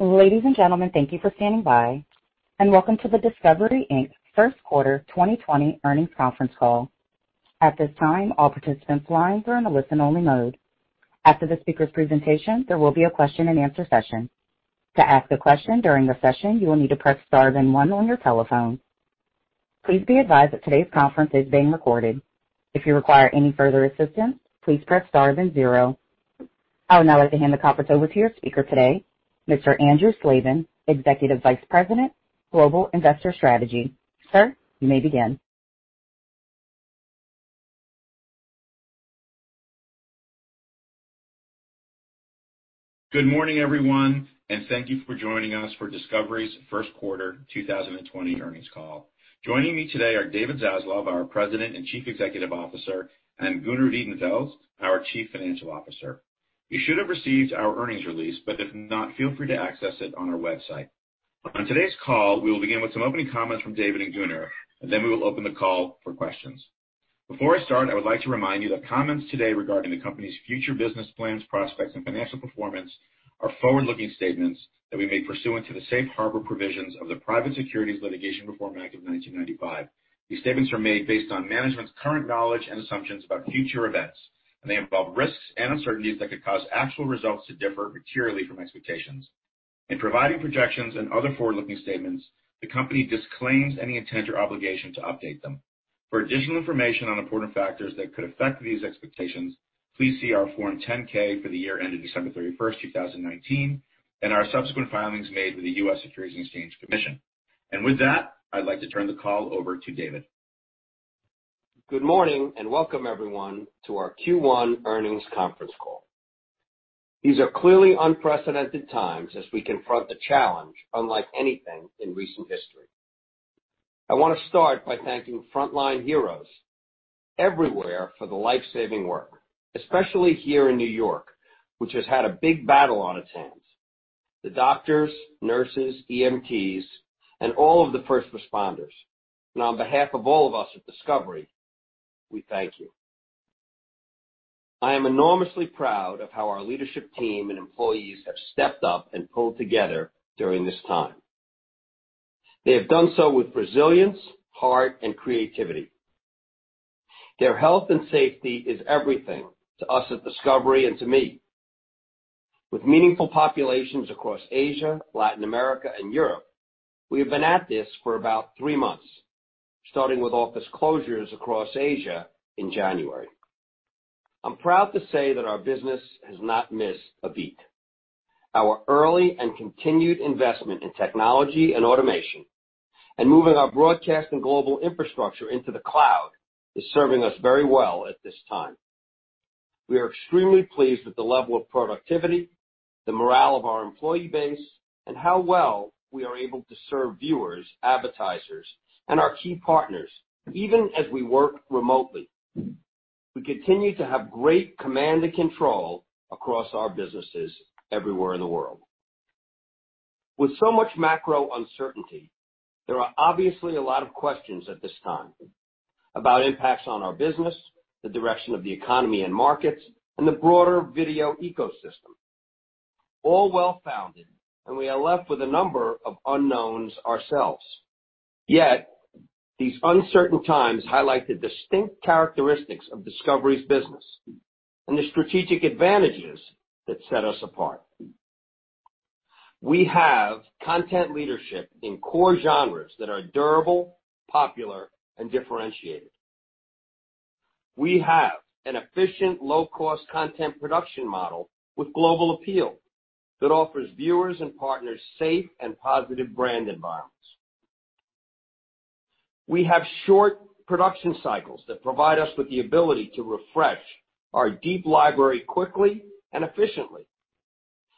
Ladies and gentlemen, thank you for standing by, and welcome to the Discovery, Inc. First Quarter 2020 Earnings Conference Call. At this time, all participants' lines are in a listen-only mode. After the speakers' presentation, there will be a question-and-answer session. To ask a question during the session, you will need to press star then one on your telephone. Please be advised that today's conference is being recorded. If you require any further assistance, please press star then zero. I would now like to hand the conference over to your speaker today, Mr. Andrew Slabin, Executive Vice President, Global Investor Strategy. Sir, you may begin. Good morning, everyone, and thank you for joining us for Discovery's first quarter 2020 earnings call. Joining me today are David Zaslav, our President and Chief Executive Officer, and Gunnar Wiedenfels, our Chief Financial Officer. You should have received our earnings release. If not, feel free to access it on our website. On today's call, we will begin with some opening comments from David and Gunnar. Then we will open the call for questions. Before I start, I would like to remind you that comments today regarding the company's future business plans, prospects, and financial performance are forward-looking statements that we make pursuant to the Safe Harbor provisions of the Private Securities Litigation Reform Act of 1995. These statements are made based on management's current knowledge and assumptions about future events. They involve risks and uncertainties that could cause actual results to differ materially from expectations. In providing projections and other forward-looking statements, the company disclaims any intent or obligation to update them. For additional information on important factors that could affect these expectations, please see our Form 10-K for the year-ended December 31st, 2019, and our subsequent filings made with the U.S. Securities and Exchange Commission. With that, I'd like to turn the call over to David. Good morning. Welcome everyone to our Q1 earnings conference call. These are clearly unprecedented times as we confront a challenge unlike anything in recent history. I want to start by thanking frontline heroes everywhere for the life-saving work, especially here in New York, which has had a big battle on its hands. The doctors, nurses, EMTs, and all of the first responders, and on behalf of all of us at Discovery, we thank you. I am enormously proud of how our leadership team and employees have stepped up and pulled together during this time. They have done so with resilience, heart, and creativity. Their health and safety is everything to us at Discovery and to me. With meaningful populations across Asia, Latin America, and Europe, we have been at this for about three months, starting with office closures across Asia in January. I'm proud to say that our business has not missed a beat. Our early and continued investment in technology and automation and moving our broadcast and global infrastructure into the cloud is serving us very well at this time. We are extremely pleased with the level of productivity, the morale of our employee base, and how well we are able to serve viewers, advertisers, and our key partners even as we work remotely. We continue to have great command and control across our businesses everywhere in the world. With so much macro uncertainty, there are obviously a lot of questions at this time about impacts on our business, the direction of the economy and markets, and the broader video ecosystem. All well-founded, we are left with a number of unknowns ourselves. These uncertain times highlight the distinct characteristics of Discovery's business and the strategic advantages that set us apart. We have content leadership in core genres that are durable, popular, and differentiated. We have an efficient, low-cost content production model with global appeal that offers viewers and partners safe and positive brand environments. We have short production cycles that provide us with the ability to refresh our deep library quickly and efficiently.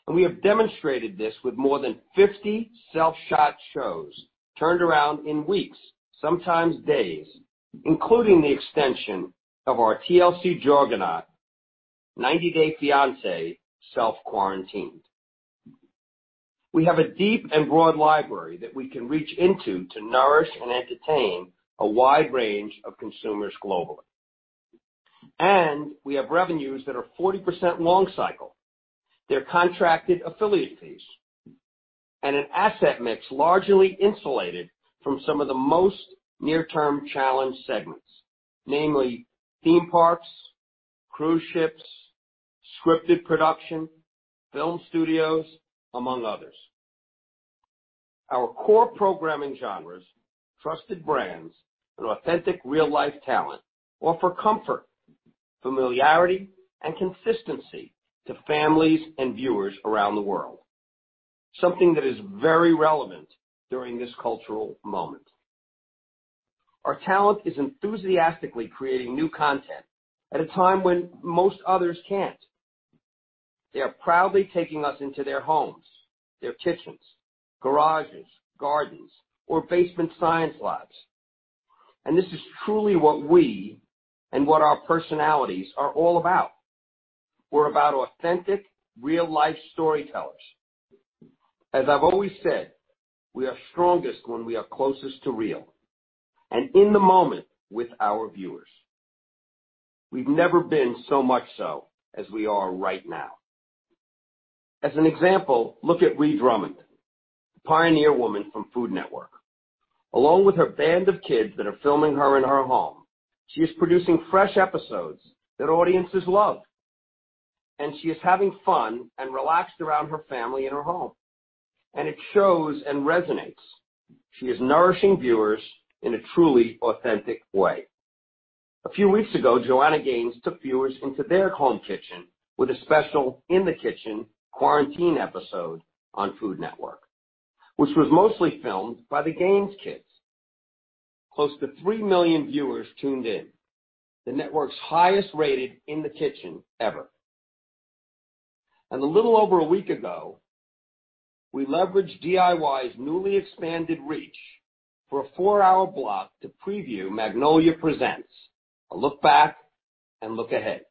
We have demonstrated this with more than 50 self-shot shows turned around in weeks, sometimes days, including the extension of our TLC juggernaut, 90 Day Fiancé: Self Quarantined. We have a deep and broad library that we can reach into to nourish and entertain a wide range of consumers globally. We have revenues that are 40% long cycle. They're contracted affiliate fees and an asset mix largely insulated from some of the most near-term challenged segments, namely theme parks, cruise ships, scripted production, film studios, among others. Our core programming genres, trusted brands, and authentic real-life talent offer comfort, familiarity, and consistency to families and viewers around the world. Something that is very relevant during this cultural moment. Our talent is enthusiastically creating new content at a time when most others can't. They are proudly taking us into their homes, their kitchens, garages, gardens, or basement science labs. This is truly what we and what our personalities are all about. We're about authentic, real-life storytellers. As I've always said, we are strongest when we are closest to real, and in the moment with our viewers. We've never been so much so as we are right now. As an example, look at Ree Drummond, Pioneer Woman from Food Network. Along with her band of kids that are filming her in her home, she is producing fresh episodes that audiences love. She is having fun and relaxed around her family in her home, and it shows and resonates. She is nourishing viewers in a truly authentic way. A few weeks ago, Joanna Gaines took viewers into their home kitchen with a special In The Kitchen quarantine episode on Food Network, which was mostly filmed by the Gaines kids. Close to three million viewers tuned in, the network's highest-rated In The Kitchen ever. A little over a week ago, we leveraged DIY's newly expanded reach for a four-hour block to preview Magnolia Presents: A Look Back & A Look Ahead.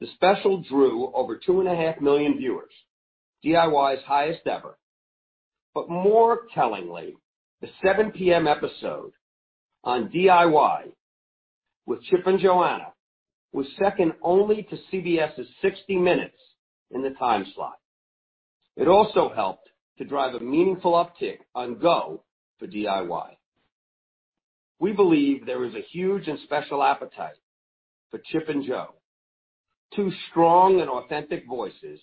The special drew over 2.5 Million viewers, DIY's highest ever. More tellingly, the 7:00 P.M. episode on DIY with Chip and Joanna was second only to CBS's 60 Minutes in the time slot. It also helped to drive a meaningful uptick on GO for DIY. We believe there is a huge and special appetite for Chip and Jo, two strong and authentic voices.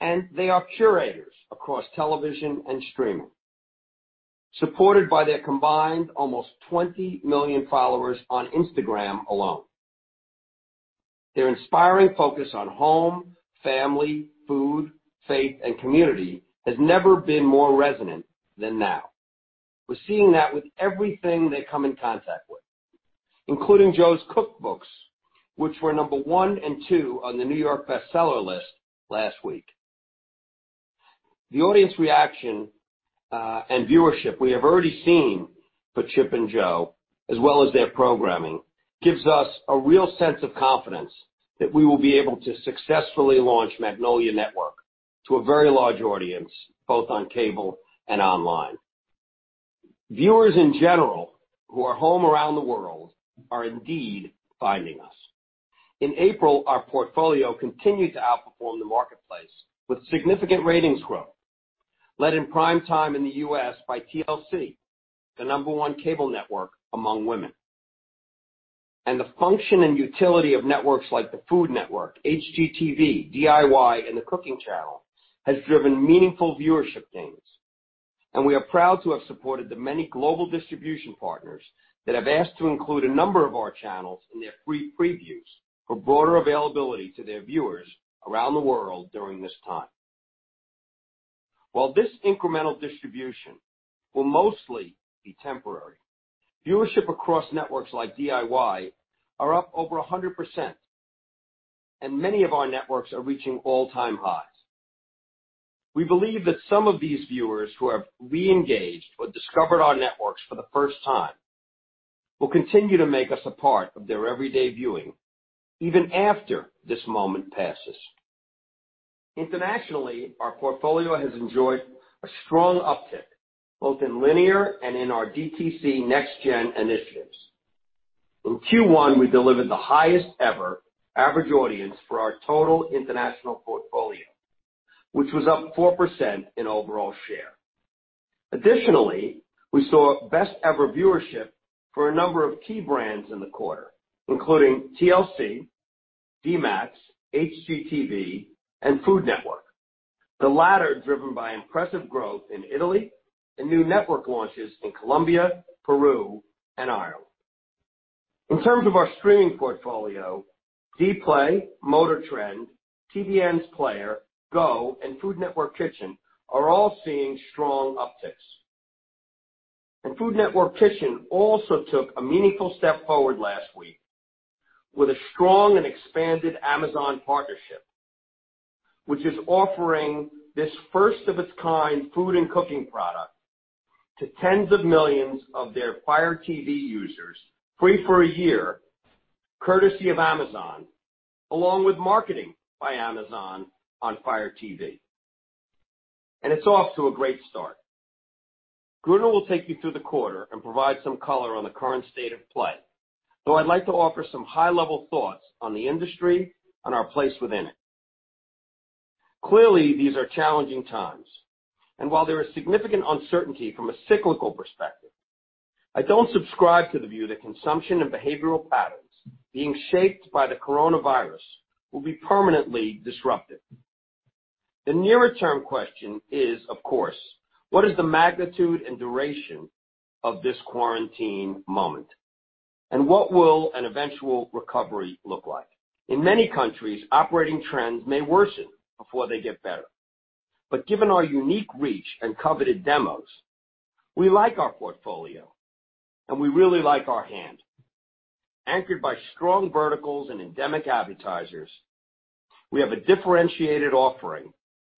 They are curators across television and streaming, supported by their combined almost 20 million followers on Instagram alone. Their inspiring focus on home, family, food, faith, and community has never been more resonant than now. We're seeing that with everything they come in contact with, including Jo's cookbooks, which were number one and two on The New York Times bestseller list last week. The audience reaction, and viewership we have already seen for Chip and Jo, as well as their programming, gives us a real sense of confidence that we will be able to successfully launch Magnolia Network to a very large audience, both on cable and online. Viewers in general, who are home around the world, are indeed finding us. In April, our portfolio continued to outperform the marketplace with significant ratings growth, led in prime time in the U.S. by TLC, the number one cable network among women. The function and utility of networks like the Food Network, HGTV, DIY, and The Cooking Channel has driven meaningful viewership gains. We are proud to have supported the many global distribution partners that have asked to include a number of our channels in their free previews for broader availability to their viewers around the world during this time. While this incremental distribution will mostly be temporary, viewership across networks like DIY are up over 100%, and many of our networks are reaching all-time highs. We believe that some of these viewers who have re-engaged or discovered our networks for the first time will continue to make us a part of their everyday viewing, even after this moment passes. Internationally, our portfolio has enjoyed a strong uptick, both in linear and in our DTC next gen initiatives. In Q1, we delivered the highest ever average audience for our total international portfolio, which was up 4% in overall share. Additionally, we saw best-ever viewership for a number of key brands in the quarter, including TLC, DMAX, HGTV, and Food Network. The latter driven by impressive growth in Italy and new network launches in Colombia, Peru, and Ireland. In terms of our streaming portfolio, dplay, MotorTrend, TVN Player, GO, and Food Network Kitchen are all seeing strong upticks. Food Network Kitchen also took a meaningful step forward last week with a strong and expanded Amazon partnership, which is offering this first-of-its-kind food and cooking product to tens of millions of their Fire TV users, free for a year, courtesy of Amazon, along with marketing by Amazon on Fire TV. It's off to a great start. Gunnar will take you through the quarter and provide some color on the current state of play, though I'd like to offer some high-level thoughts on the industry and our place within it. Clearly, these are challenging times, and while there is significant uncertainty from a cyclical perspective, I don't subscribe to the view that consumption and behavioral patterns being shaped by the coronavirus will be permanently disrupted. The nearer-term question is, of course, what is the magnitude and duration of this quarantine moment? What will an eventual recovery look like? In many countries, operating trends may worsen before they get better. Given our unique reach and coveted demos, we like our portfolio and we really like our hand. Anchored by strong verticals and endemic advertisers, we have a differentiated offering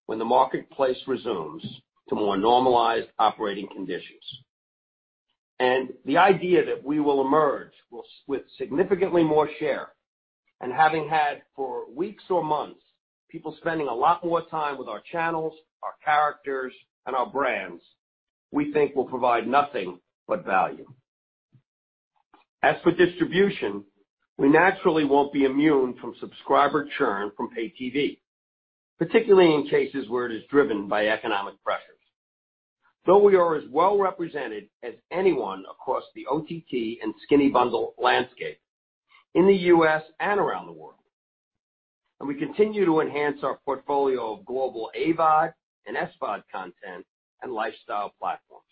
when the marketplace resumes to more normalized operating conditions. The idea that we will emerge with significantly more share and having had for weeks or months, people spending a lot more time with our channels, our characters, and our brands, we think will provide nothing but value. As for distribution, we naturally won't be immune from subscriber churn from paid TV, particularly in cases where it is driven by economic pressures. Though we are as well represented as anyone across the OTT and skinny bundle landscape in the U.S. and around the world, and we continue to enhance our portfolio of global AVOD and SVOD content and lifestyle platforms.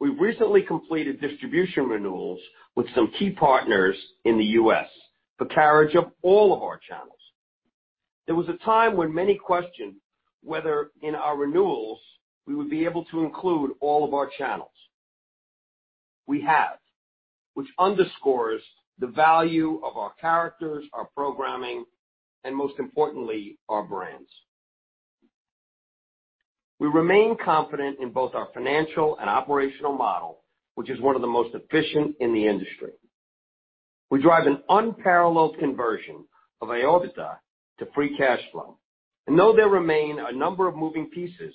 We've recently completed distribution renewals with some key partners in the U.S. for carriage of all of our channels. There was a time when many questioned whether in our renewals we would be able to include all of our channels. We have, which underscores the value of our characters, our programming, and most importantly, our brands. We remain confident in both our financial and operational model, which is one of the most efficient in the industry. We drive an unparalleled conversion of AOIBDA to free cash flow, and though there remain a number of moving pieces,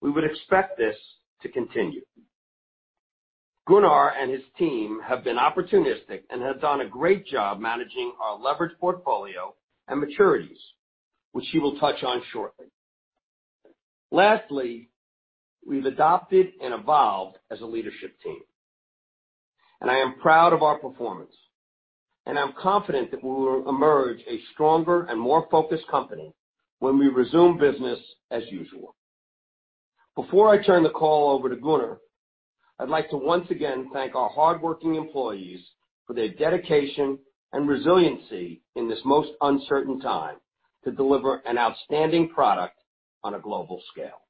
we would expect this to continue. Gunnar and his team have been opportunistic and have done a great job managing our leverage portfolio and maturities, which he will touch on shortly. We've adopted and evolved as a leadership team, and I am proud of our performance. I'm confident that we will emerge a stronger and more focused company when we resume business as usual. Before I turn the call over to Gunnar, I'd like to once again thank our hardworking employees for their dedication and resiliency in this most uncertain time to deliver an outstanding product on a global scale.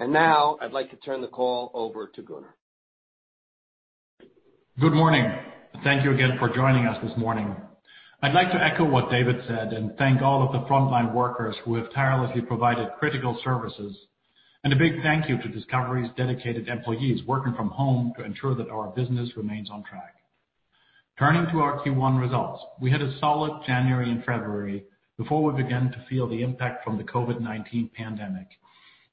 Now I'd like to turn the call over to Gunnar. Good morning. Thank you again for joining us this morning. I'd like to echo what David said and thank all of the frontline workers who have tirelessly provided critical services, and a big thank you to Discovery's dedicated employees working from home to ensure that our business remains on track. Turning to our Q1 results, we had a solid January and February before we began to feel the impact from the COVID-19 pandemic.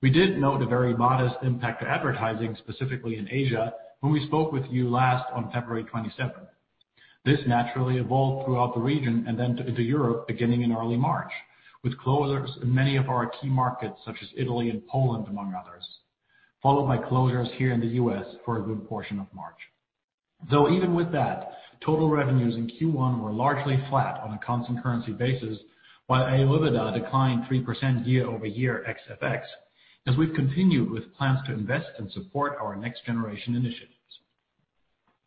We did note a very modest impact to advertising, specifically in Asia, when we spoke with you last on February 27th. This naturally evolved throughout the region and then into Europe, beginning in early March, with closures in many of our key markets, such as Italy and Poland, among others, followed by closures here in the U.S. for a good portion of March. Though even with that, total revenues in Q1 were largely flat on a constant currency basis, while AOIBDA declined 3% year-over-year ex FX, as we've continued with plans to invest and support our next generation initiatives.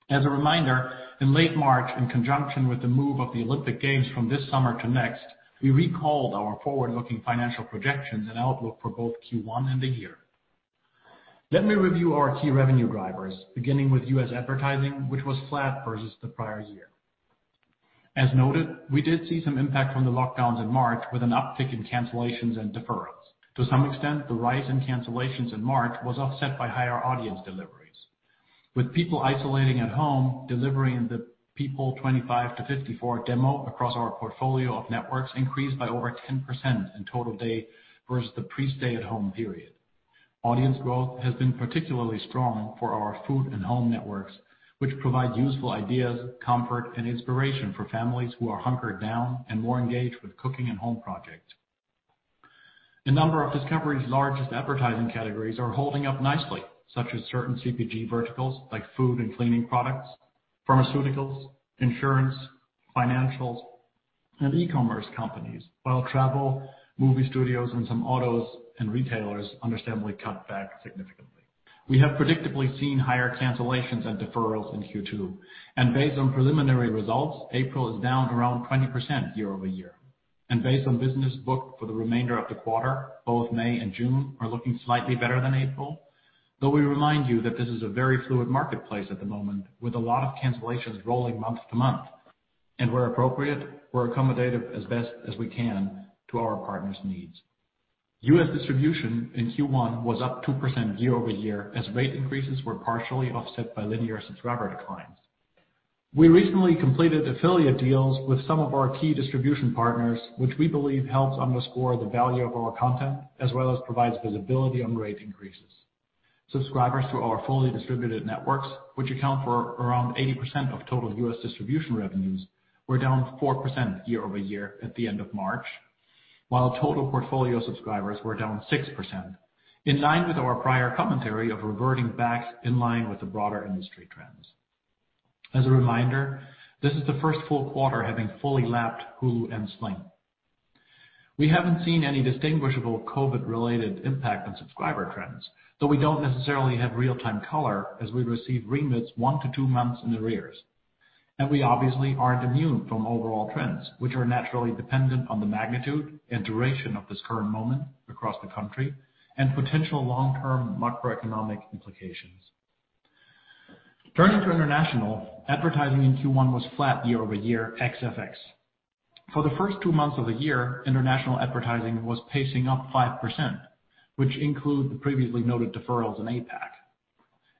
As a reminder, in late March, in conjunction with the move of the Olympic Games from this summer to next, we recalled our forward-looking financial projections and outlook for both Q1 and the year. Let me review our key revenue drivers, beginning with U.S. advertising, which was flat versus the prior year. As noted, we did see some impact from the lockdowns in March with an uptick in cancellations and deferrals. To some extent, the rise in cancellations in March was offset by higher audience deliveries. With people isolating at home, delivering the people 25-54 demo across our portfolio of networks increased by over 10% in total day versus the pre-stay at home period. Audience growth has been particularly strong for our food and home networks, which provide useful ideas, comfort, and inspiration for families who are hunkered down and more engaged with cooking and home projects. A number of Discovery's largest advertising categories are holding up nicely, such as certain CPG verticals like food and cleaning products, pharmaceuticals, insurance, financials, and e-commerce companies. While travel, movie studios, and some autos and retailers understandably cut back significantly. We have predictably seen higher cancellations and deferrals in Q2, and based on preliminary results, April is down around 20% year-over-year. Based on business booked for the remainder of the quarter, both May and June are looking slightly better than April, though we remind you that this is a very fluid marketplace at the moment with a lot of cancellations rolling month-to-month, and where appropriate, we're accommodative as best as we can to our partners' needs. U.S. distribution in Q1 was up 2% year-over-year as rate increases were partially offset by linear subscriber declines. We recently completed affiliate deals with some of our key distribution partners, which we believe helps underscore the value of our content as well as provides visibility on rate increases. Subscribers to our fully distributed networks, which account for around 80% of total U.S. distribution revenues, were down 4% year-over-year at the end of March. While total portfolio subscribers were down 6%, in line with our prior commentary of reverting back in line with the broader industry trends. As a reminder, this is the first full quarter having fully lapped Hulu and Sling. We haven't seen any distinguishable COVID-related impact on subscriber trends, though we don't necessarily have real-time color as we receive remits one to two months in the arrears. We obviously aren't immune from overall trends, which are naturally dependent on the magnitude and duration of this current moment across the country and potential long-term macroeconomic implications. Turning to international, advertising in Q1 was flat year-over-year ex FX. For the first two months of the year, international advertising was pacing up 5%, which include the previously noted deferrals in APAC.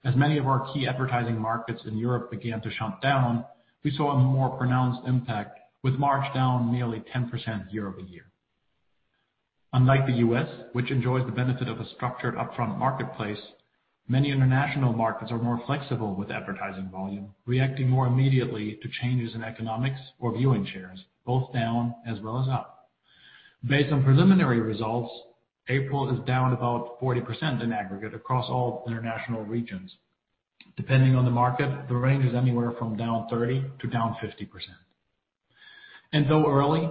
As many of our key advertising markets in Europe began to shut down, we saw a more pronounced impact, with March down nearly 10% year-over-year. Unlike the U.S., which enjoys the benefit of a structured upfront marketplace, many international markets are more flexible with advertising volume, reacting more immediately to changes in economics or viewing shares, both down as well as up. Based on preliminary results, April is down about 40% in aggregate across all international regions. Depending on the market, the range is anywhere from down 30% to down 50%. Though early,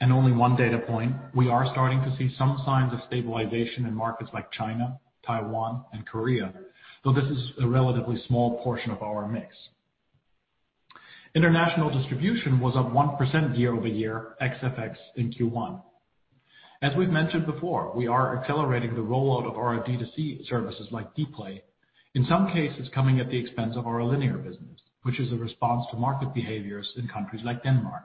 and only one data point, we are starting to see some signs of stabilization in markets like China, Taiwan, and Korea, though this is a relatively small portion of our mix. International distribution was up 1% year-over-year ex FX in Q1. As we've mentioned before, we are accelerating the rollout of our D2C services like dplay. In some cases, coming at the expense of our linear business, which is a response to market behaviors in countries like Denmark.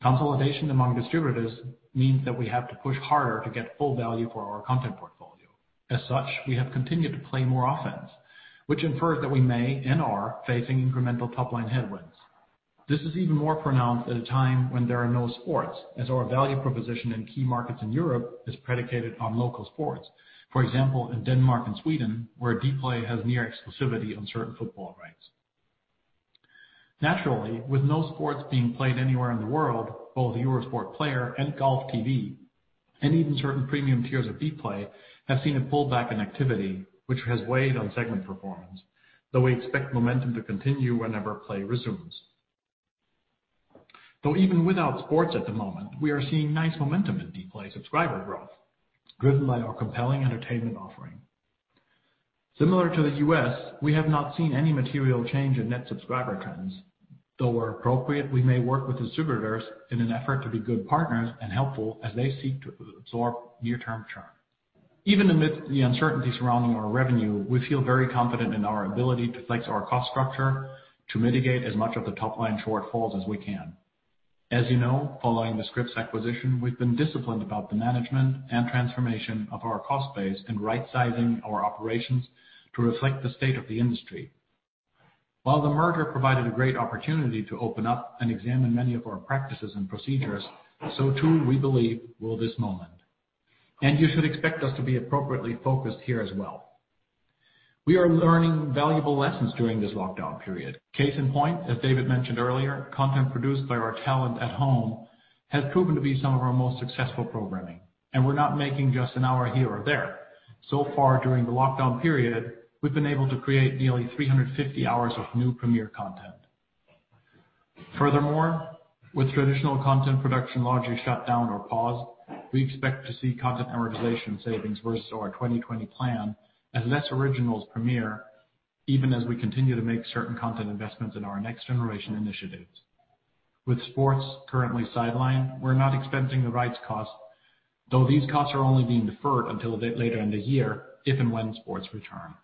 Consolidation among distributors means that we have to push harder to get full value for our content portfolio. As such, we have continued to play more offense, which infers that we may and are facing incremental top-line headwinds. This is even more pronounced at a time when there are no sports, as our value proposition in key markets in Europe is predicated on local sports. For example, in Denmark and Sweden, where dplay has near exclusivity on certain football rights. Naturally, with no sports being played anywhere in the world, both Eurosport Player and GOLFTV, and even certain premium tiers of dplay, have seen a pullback in activity, which has weighed on segment performance, though we expect momentum to continue whenever play resumes. Even without sports at the moment, we are seeing nice momentum in dplay subscriber growth, driven by our compelling entertainment offering. Similar to the U.S., we have not seen any material change in net subscriber trends, though where appropriate, we may work with distributors in an effort to be good partners and helpful as they seek to absorb near-term churn. Even amid the uncertainty surrounding our revenue, we feel very confident in our ability to flex our cost structure to mitigate as much of the top-line shortfalls as we can. As you know, following the Scripps acquisition, we've been disciplined about the management and transformation of our cost base and rightsizing our operations to reflect the state of the industry. While the merger provided a great opportunity to open up and examine many of our practices and procedures, so too, we believe, will this moment. You should expect us to be appropriately focused here as well. We are learning valuable lessons during this lockdown period. Case in point, as David mentioned earlier, content produced by our talent at home has proven to be some of our most successful programming, and we're not making just an hour here or there. So far during the lockdown period, we've been able to create nearly 350 hours of new premiere content. With traditional content production largely shut down or paused, we expect to see content amortization savings versus our 2020 plan as less originals premiere, even as we continue to make certain content investments in our next generation initiatives. With sports currently sidelined, we're not expensing the rights cost, though these costs are only being deferred until a bit later in the year, if and when sports return.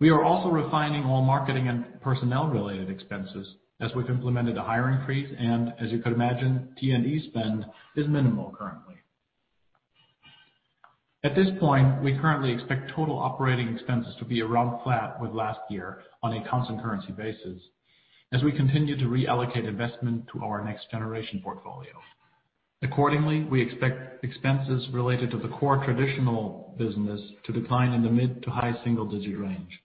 We are also refining all marketing and personnel-related expenses, as we've implemented a hiring freeze, and as you could imagine, T&E spend is minimal currently. At this point, we currently expect total operating expenses to be around flat with last year on a constant currency basis, as we continue to reallocate investment to our next generation portfolio. Accordingly, we expect expenses related to the core traditional business to decline in the mid to high single-digit range.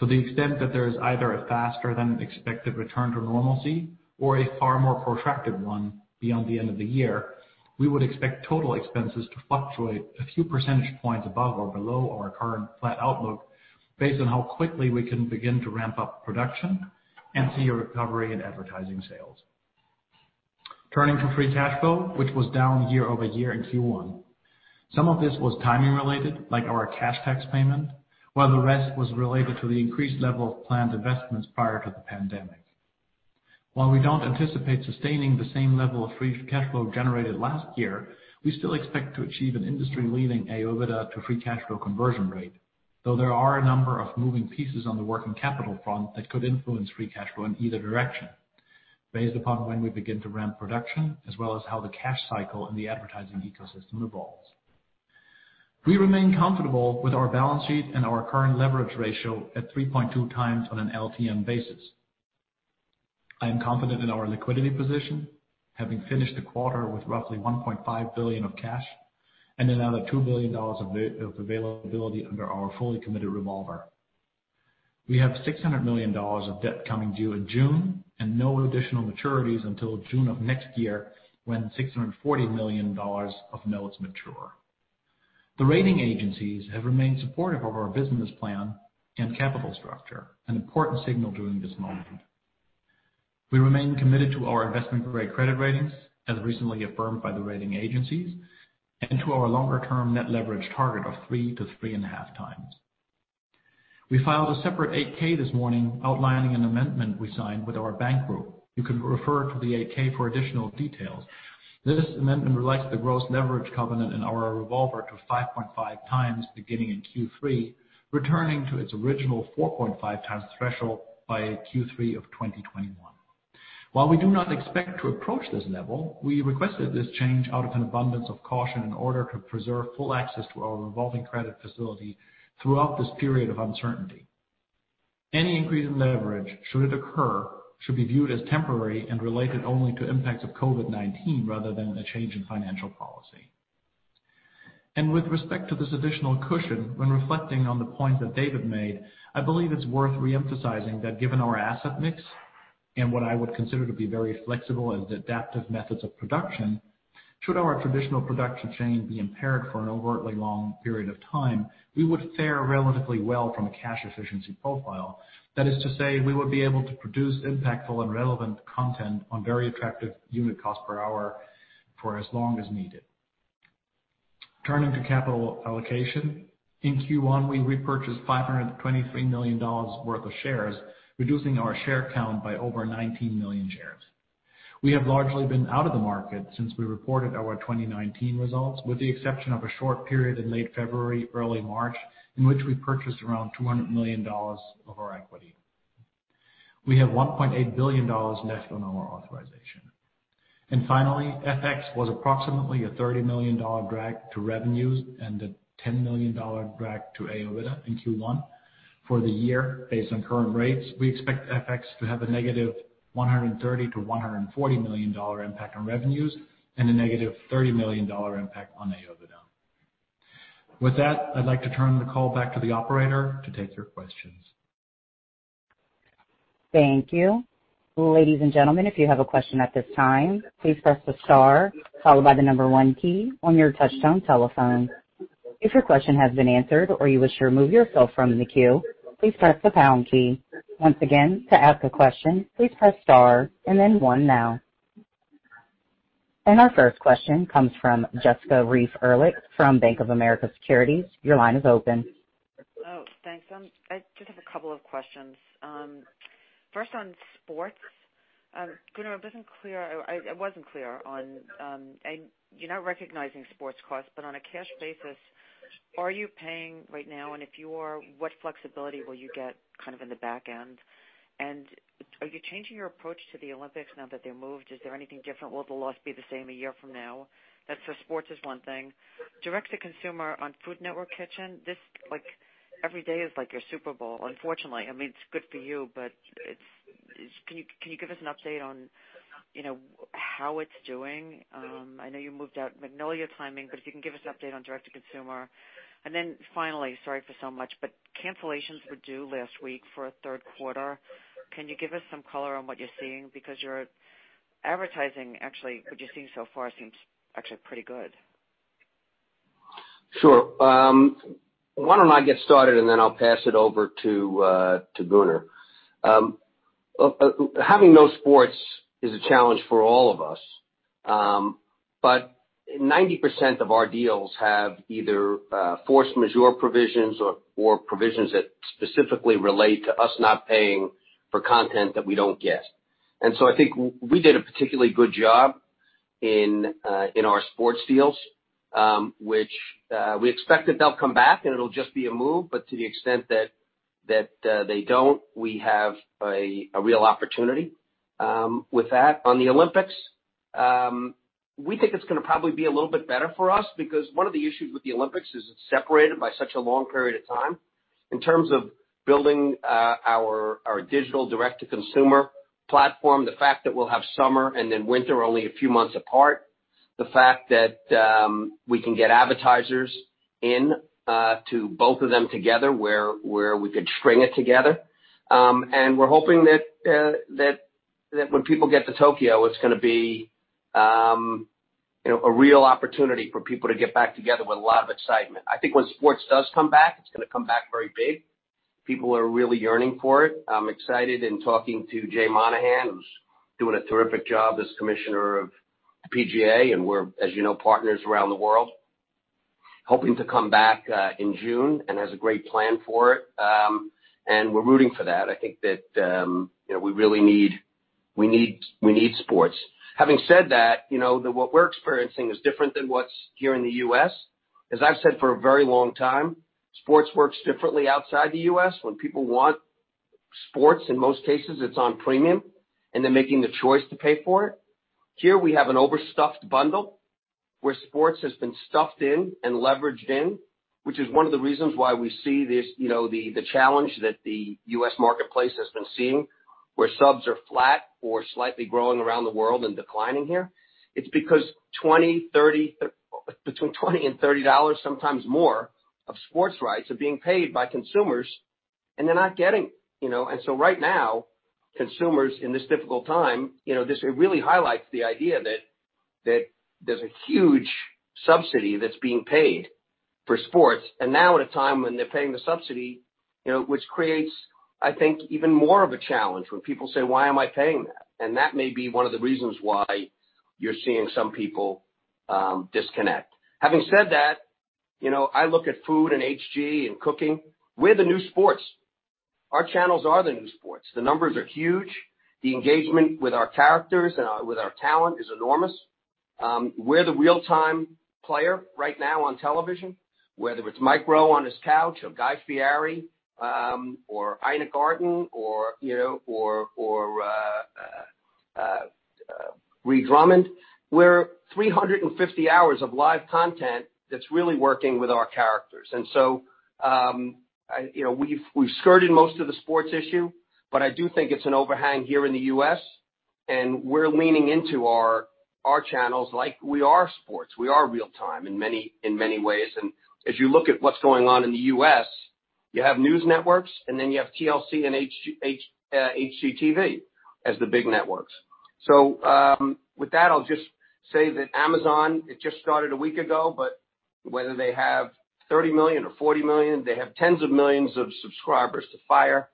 To the extent that there is either a faster than expected return to normalcy or a far more protracted one beyond the end of the year, we would expect total expenses to fluctuate a few percentage points above or below our current flat outlook based on how quickly we can begin to ramp up production and see a recovery in advertising sales. Turning to free cash flow, which was down year-over-year in Q1. Some of this was timing related, like our cash tax payment, while the rest was related to the increased level of planned investments prior to the pandemic. While we don't anticipate sustaining the same level of free cash flow generated last year, we still expect to achieve an industry-leading AOIBDA to free cash flow conversion rate, though there are a number of moving pieces on the working capital front that could influence free cash flow in either direction based upon when we begin to ramp production, as well as how the cash cycle and the advertising ecosystem evolves. We remain comfortable with our balance sheet and our current leverage ratio at 3.2x on an LTM basis. I am confident in our liquidity position, having finished the quarter with roughly $1.5 billion of cash and another $2 billion of availability under our fully committed revolver. We have $600 million of debt coming due in June and no additional maturities until June of next year, when $640 million of notes mature. The rating agencies have remained supportive of our business plan and capital structure, an important signal during this moment. We remain committed to our investment-grade credit ratings, as recently affirmed by the rating agencies, and to our longer-term net leverage target of 3x-3.5x. We filed a separate 8-K this morning outlining an amendment we signed with our bank group. You can refer to the 8-K for additional details. This amendment relaxed the gross leverage covenant in our revolver to 5.5x beginning in Q3, returning to its original 4.5x threshold by Q3 of 2021. While we do not expect to approach this level, we requested this change out of an abundance of caution in order to preserve full access to our revolving credit facility throughout this period of uncertainty. Any increase in leverage, should it occur, should be viewed as temporary and related only to impacts of COVID-19 rather than a change in financial policy. With respect to this additional cushion, when reflecting on the point that David made, I believe it's worth re-emphasizing that given our asset mix and what I would consider to be very flexible and adaptive methods of production, should our traditional production chain be impaired for an overtly long period of time, we would fare relatively well from a cash efficiency profile. That is to say, we would be able to produce impactful and relevant content on very attractive unit cost per hour for as long as needed. Turning to capital allocation. In Q1, we repurchased $523 million worth of shares, reducing our share count by over 19 million shares. We have largely been out of the market since we reported our 2019 results, with the exception of a short period in late February, early March, in which we purchased around $200 million of our equity. We have $1.8 billion left on our authorization. Finally, FX was approximately a $30 million drag to revenues and a $10 million drag to AOIBDA in Q1. For the year, based on current rates, we expect FX to have a -$130 million to $140 million impact on revenues and a -$30 million impact on AOIBDA. With that, I'd like to turn the call back to the operator to take your questions. Thank you. Ladies and gentlemen, if you have a question at this time, please press the star followed by the one key on your touchtone telephone. If your question has been answered or you wish to remove yourself from the queue, please press the pound key. Once again, to ask a question, please press star and then one now. Our first question comes from Jessica Reif Ehrlich from Bank of America Securities. Your line is open. Oh, thanks. I just have a couple of questions. First, on sports. Gunnar, it wasn't clear. You're not recognizing sports costs, but on a cash basis, are you paying right now? If you are, what flexibility will you get kind of in the back end? Are you changing your approach to the Olympics now that they're moved? Is there anything different? Will the loss be the same a year from now? That's for sports is one thing. Direct to consumer on Food Network Kitchen. Every day is like your Super Bowl, unfortunately. I mean, it's good for you, but can you give us an update on how it's doing? I know you moved out Magnolia timing, but if you can give us an update on direct to consumer. Finally, sorry for so much, but cancellations were due last week for a third quarter. Can you give us some color on what you're seeing? Your advertising actually, what you're seeing so far seems actually pretty good. Sure. Why don't I get started and then I'll pass it over to Gunnar. Having no sports is a challenge for all of us. But 90% of our deals have either force majeure provisions or provisions that specifically relate to us not paying for content that we don't get. I think we did a particularly good job in our sports deals, which we expect that they'll come back and it'll just be a move. To the extent that they don't, we have a real opportunity with that. On the Olympics, we think it's going to probably be a little bit better for us because one of the issues with the Olympics is it's separated by such a long period of time. In terms of building our digital direct-to-consumer platform, the fact that we'll have summer and then winter only a few months apart, the fact that we can get advertisers into both of them together where we could string it together. We're hoping that when people get to Tokyo, it's going to be a real opportunity for people to get back together with a lot of excitement. I think once sports does come back, it's going to come back very big. People are really yearning for it. I'm excited in talking to Jay Monahan, who's doing a terrific job as commissioner of PGA, and we're, as you know, partners around the world, hoping to come back in June and has a great plan for it. We're rooting for that. I think that we really need sports. Having said that, what we're experiencing is different than what's here in the U.S. As I've said for a very long time, sports works differently outside the U.S. When people want sports, in most cases, it's on premium and they're making the choice to pay for it. Here we have an overstuffed bundle where sports has been stuffed in and leveraged in, which is one of the reasons why we see the challenge that the U.S. marketplace has been seeing, where subs are flat or slightly growing around the world and declining here. It's because between $20-$30, sometimes more, of sports rights are being paid by consumers, and they're not getting. Right now, consumers in this difficult time, this really highlights the idea that there's a huge subsidy that's being paid for sports. Now at a time when they're paying the subsidy, which creates, I think, even more of a challenge when people say, "Why am I paying that?" That may be one of the reasons why you're seeing some people disconnect. Having said that, I look at food and HG and cooking. We're the new sports. Our channels are the new sports. The numbers are huge. The engagement with our characters and with our talent is enormous. We're the real-time player right now on television, whether it's Mike Rowe on his couch or Guy Fieri, or Ina Garten or Ree Drummond. We're 350 hours of live content that's really working with our characters. So, we've skirted most of the sports issue, but I do think it's an overhang here in the U.S., and we're leaning into our channels like we are sports. We are real-time in many ways. As you look at what's going on in the U.S., you have news networks, and then you have TLC and HGTV as the big networks. With that, I'll just say that Amazon, it just started one week ago, but whether they have 30 million or 40 million, they have tens of millions of subscribers to Fire.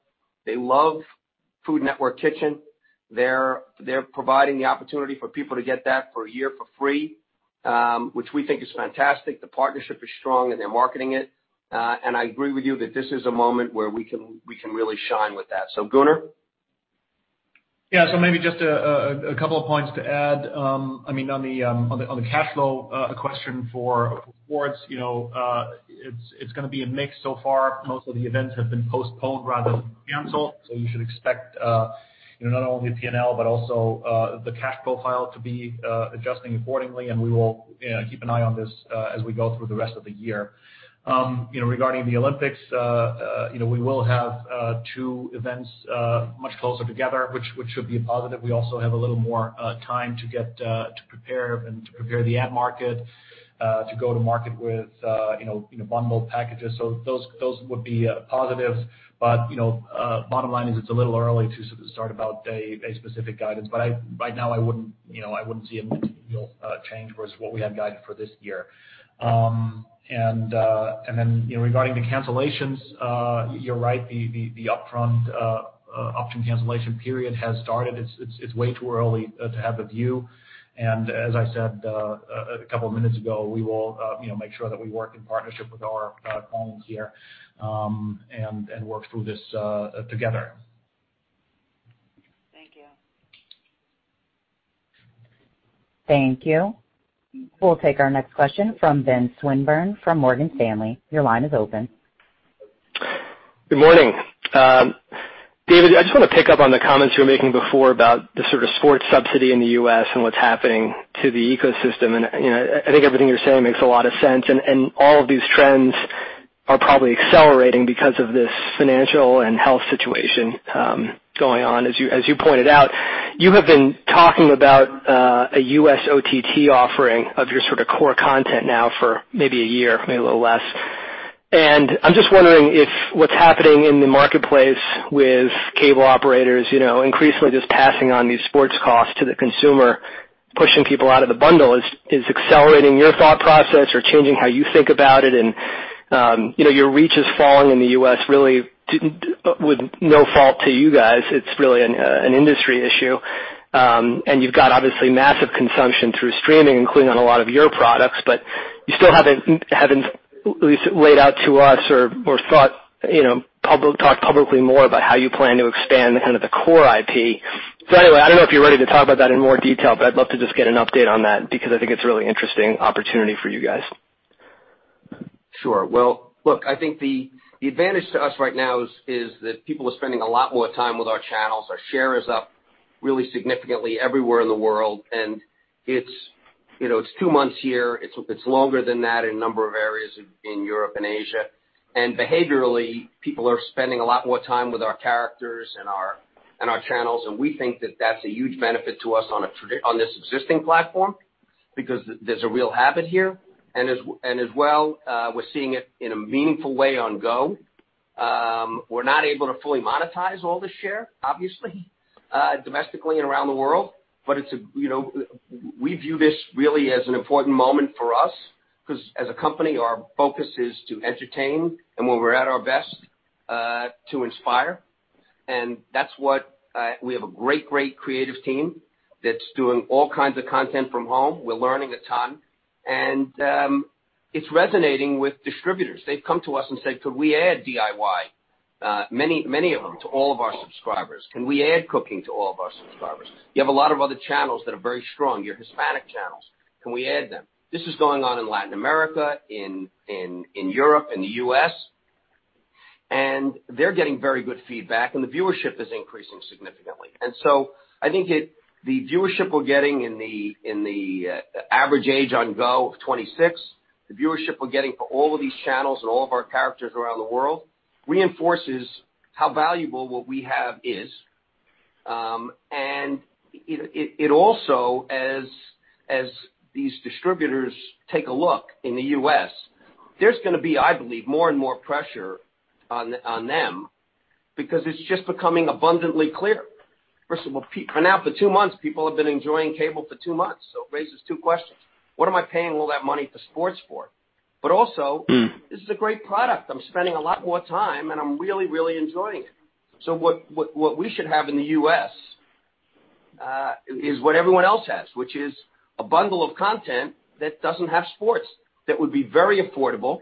They love Food Network Kitchen. They're providing the opportunity for people to get that for one year for free, which we think is fantastic. The partnership is strong, and they're marketing it. I agree with you that this is a moment where we can really shine with that. Gunnar? Yeah. Maybe just a couple of points to add. On the cash flow question for sports, it's going to be a mix so far. Most of the events have been postponed rather than canceled. You should expect not only P&L, but also the cash profile to be adjusting accordingly, and we will keep an eye on this as we go through the rest of the year. Regarding the Olympics, we will have two events much closer together, which should be a positive. We also have a little more time to prepare and to prepare the ad market, to go to market with bundled packages. Those would be positives. Bottom line is it's a little early to start about a specific guidance. Right now I wouldn't see a material change versus what we had guided for this year. Regarding the cancellations, you're right, the upfront option cancellation period has started. It's way too early to have a view, and as I said a couple of minutes ago, we will make sure that we work in partnership with our homes here, and work through this together. Thank you. Thank you. We'll take our next question from Ben Swinburne from Morgan Stanley. Your line is open. Good morning. David, I just want to pick up on the comments you were making before about the sort of sports subsidy in the U.S. and what's happening to the ecosystem, and I think everything you're saying makes a lot of sense, and all of these trends are probably accelerating because of this financial and health situation going on, as you pointed out. You have been talking about a U.S. OTT offering of your sort of core content now for maybe a year, maybe a little less. I'm just wondering if what's happening in the marketplace with cable operators increasingly just passing on these sports costs to the consumer, pushing people out of the bundle is accelerating your thought process or changing how you think about it and your reach is falling in the U.S. really with no fault to you guys. It's really an industry issue. You've got obviously massive consumption through streaming, including on a lot of your products, but you still haven't at least laid out to us or talked publicly more about how you plan to expand kind of the core IP. Anyway, I don't know if you're ready to talk about that in more detail, but I'd love to just get an update on that because I think it's a really interesting opportunity for you guys. Sure. Well, look, I think the advantage to us right now is that people are spending a lot more time with our channels. Our share is up really significantly everywhere in the world, and it's two months here. It's longer than that in a number of areas in Europe and Asia. Behaviorally, people are spending a lot more time with our characters and our channels, and we think that that's a huge benefit to us on this existing platform because there's a real habit here. As well, we're seeing it in a meaningful way on GO. We're not able to fully monetize all the share, obviously, domestically and around the world. We view this really as an important moment for us because as a company, our focus is to entertain and when we're at our best, to inspire. We have a great creative team that's doing all kinds of content from home. We're learning a ton. It's resonating with distributors. They've come to us and said, Could we add DIY? Many of them to all of our subscribers. Can we add cooking to all of our subscribers? You have a lot of other channels that are very strong, your Hispanic channels. Can we add them? This is going on in Latin America, in Europe, in the U.S., and they're getting very good feedback, and the viewership is increasing significantly. I think the viewership we're getting in the average age on GO of 26, the viewership we're getting for all of these channels and all of our characters around the world reinforces how valuable what we have is. It also, as these distributors take a look in the U.S., there's going to be, I believe, more and more pressure on them because it's just becoming abundantly clear. First of all, for now, for two months, people have been enjoying cable for two months. It raises two questions. What am I paying all that money to sports for? Also, this is a great product. I'm spending a lot more time, and I'm really enjoying it. What we should have in the U.S. is what everyone else has, which is a bundle of content that doesn't have sports, that would be very affordable,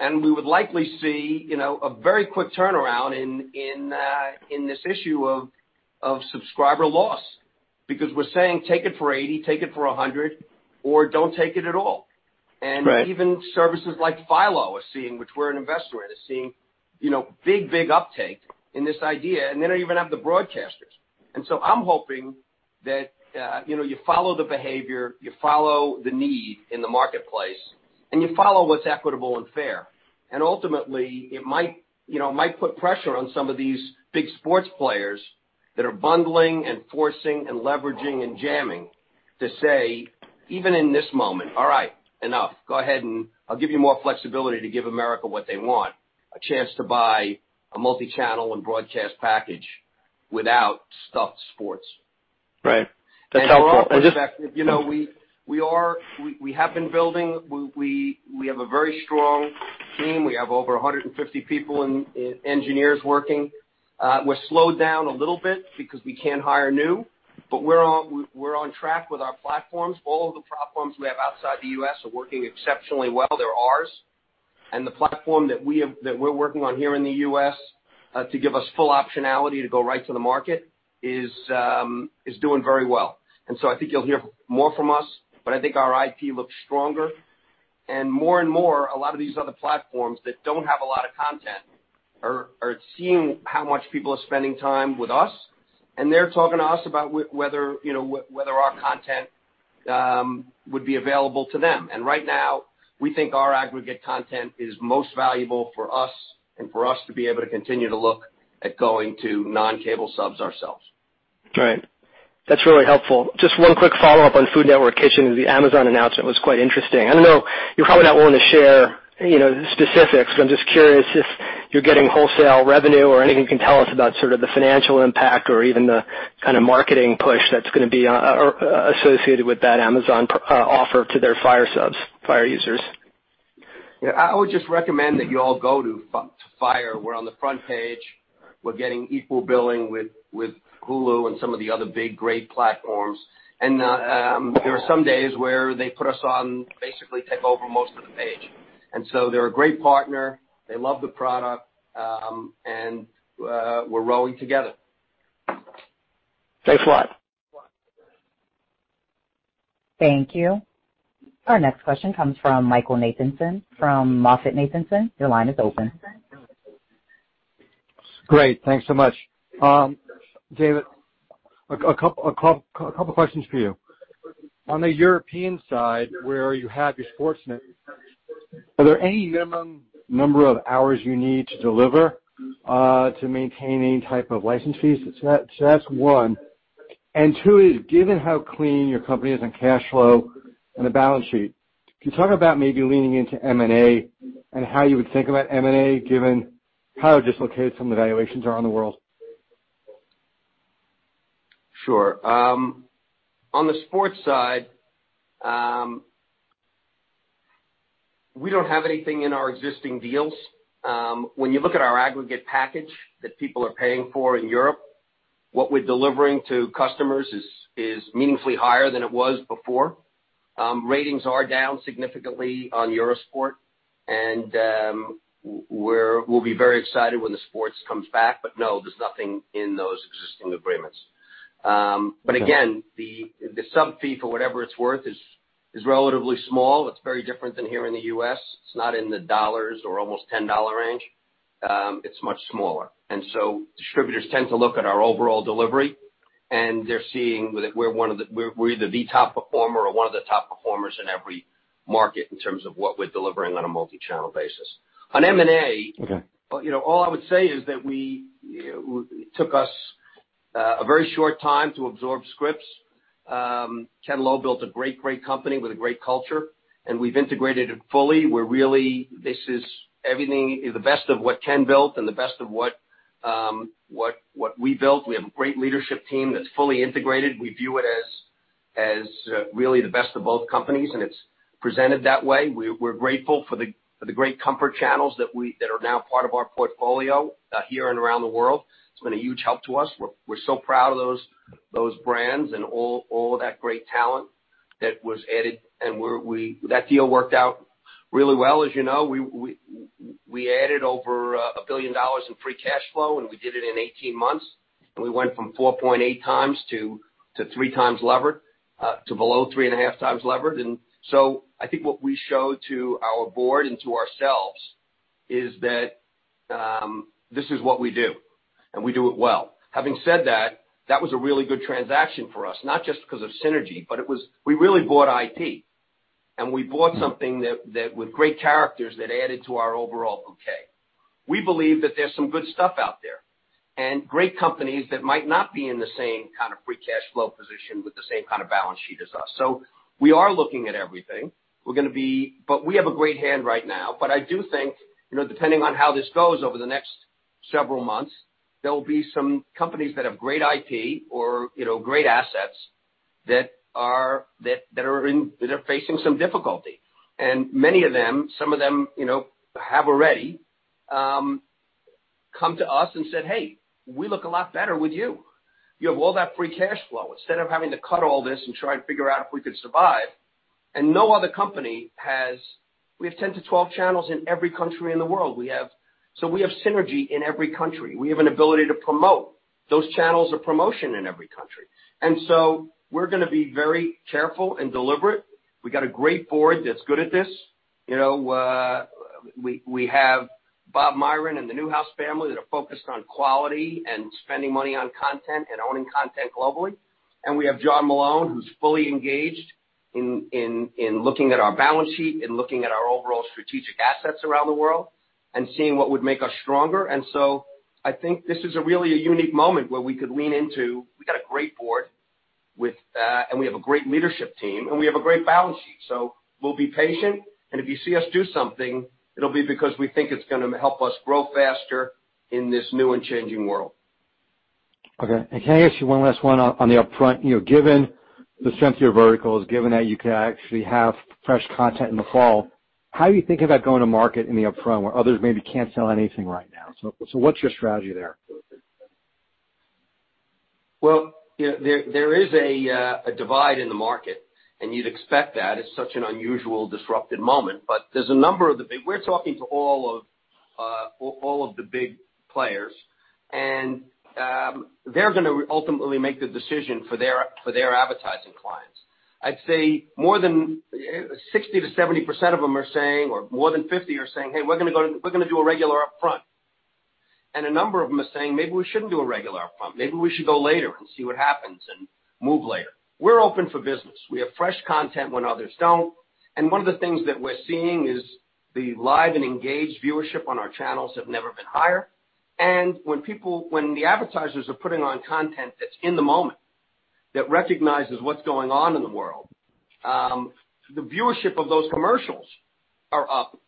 and we would likely see a very quick turnaround in this issue of subscriber loss. We're saying take it for $80, take it for $100 or don't take it at all. Right. Even services like Philo, which we're an investor in, is seeing big uptake in this idea, and they don't even have the broadcasters. I'm hoping that you follow the behavior, you follow the need in the marketplace, and you follow what's equitable and fair. Ultimately, it might put pressure on some of these big sports players that are bundling and forcing and leveraging and jamming to say, even in this moment, All right. Enough. Go ahead, and I'll give you more flexibility to give America what they want, a chance to buy a multi-channel and broadcast package without stuffed sports. Right. That's helpful. For all that's effective, we have been building. We have a very strong team. We have over 150 people and engineers working. We're slowed down a little bit because we can't hire new, but we're on track with our platforms. All of the platforms we have outside the U.S. are working exceptionally well. They're ours. The platform that we're working on here in the U.S. to give us full optionality to go right to the market is doing very well. I think you'll hear more from us, but I think our IP looks stronger. More and more, a lot of these other platforms that don't have a lot of content are seeing how much people are spending time with us, and they're talking to us about whether our content would be available to them. Right now, we think our aggregate content is most valuable for us and for us to be able to continue to look at going to non-cable subs ourselves. Right. That's really helpful. Just one quick follow-up on Food Network Kitchen. The Amazon announcement was quite interesting. I know you're probably not willing to share the specifics, but I'm just curious if you're getting wholesale revenue or anything you can tell us about sort of the financial impact or even the kind of marketing push that's going to be associated with that Amazon offer to their Fire subs, Fire users. Yeah. I would just recommend that you all go to Fire. We're on the front page. We're getting equal billing with Hulu and some of the other big, great platforms. There are some days where they put us on, basically take over most of the page. They're a great partner. They love the product. We're rowing together. Thanks a lot. Thank you. Our next question comes from Michael Nathanson from MoffettNathanson. Your line is open. Great. Thanks so much. David, a couple questions for you. On the European side, where you have your sports net, are there any minimum number of hours you need to deliver to maintain any type of license fees? That's one. Two is, given how clean your company is on cash flow and the balance sheet, can you talk about maybe leaning into M&A and how you would think about M&A given how dislocated some evaluations are on the world? Sure. On the sports side, we don't have anything in our existing deals. When you look at our aggregate package that people are paying for in Europe, what we're delivering to customers is meaningfully higher than it was before. Ratings are down significantly on Eurosport, and we'll be very excited when the sports comes back. No, there's nothing in those existing agreements. Again, the sub-fee, for whatever it's worth, is relatively small. It's very different than here in the U.S. It's not in the dollars or almost $10 range. It's much smaller. Distributors tend to look at our overall delivery, and they're seeing that we're either the top performer or one of the top performers in every market in terms of what we're delivering on a multi-channel basis. On M&A- Okay All I would say is that it took us a very short time to absorb Scripps. Ken Lowe built a great company with a great culture. We've integrated it fully. Everything is the best of what Ken built and the best of what we built. We have a great leadership team that's fully integrated. We view it as really the best of both companies. It's presented that way. We're grateful for the great comfort channels that are now part of our portfolio here and around the world. It's been a huge help to us. We're so proud of those brands and all that great talent that was added. That deal worked out really well. As you know, we added over a billion USD in free cash flow. We did it in 18 months. We went from 4.8x-3x levered to below 3.5x levered. I think what we show to our board and to ourselves is that this is what we do, and we do it well. Having said that was a really good transaction for us, not just because of synergy, but we really bought IP. We bought something with great characters that added to our overall bouquet. We believe that there's some good stuff out there and great companies that might not be in the same kind of free cash flow position with the same kind of balance sheet as us. We are looking at everything. We have a great hand right now. I do think, depending on how this goes over the next several months, there will be some companies that have great IP or great assets that are facing some difficulty. Many of them, some of them have already come to us and said, Hey, we look a lot better with you. You have all that free cash flow. Instead of having to cut all this and try and figure out if we could survive. No other company has. We have 10-12 channels in every country in the world. We have synergy in every country. We have an ability to promote. Those channels are promotion in every country. We're going to be very careful and deliberate. We got a great board that's good at this. We have Bob Miron and the Newhouse family that are focused on quality and spending money on content and owning content globally. We have John Malone, who's fully engaged in looking at our balance sheet and looking at our overall strategic assets around the world and seeing what would make us stronger. I think this is a really unique moment where we could lean into. We got a great board, and we have a great leadership team, and we have a great balance sheet. We'll be patient, and if you see us do something, it'll be because we think it's going to help us grow faster in this new and changing world. Okay. Can I ask you one last one on the upfront? Given the strength of your verticals, given that you can actually have fresh content in the fall, how are you thinking about going to market in the upfront where others maybe can't sell anything right now? What's your strategy there? Well, there is a divide in the market, and you'd expect that. It's such an unusual, disrupted moment. We're talking to all of the big players, and they're going to ultimately make the decision for their advertising clients. I'd say more than 60%-70% of them are saying, or more than 50% are saying, Hey, we're going to do a regular upfront. A number of them are saying, Maybe we shouldn't do a regular upfront. Maybe we should go later and see what happens and move later." We're open for business. We have fresh content when others don't. One of the things that we're seeing is the live and engaged viewership on our channels have never been higher. When the advertisers are putting on content that's in the moment, that recognizes what's going on in the world, the viewership of those commercials are up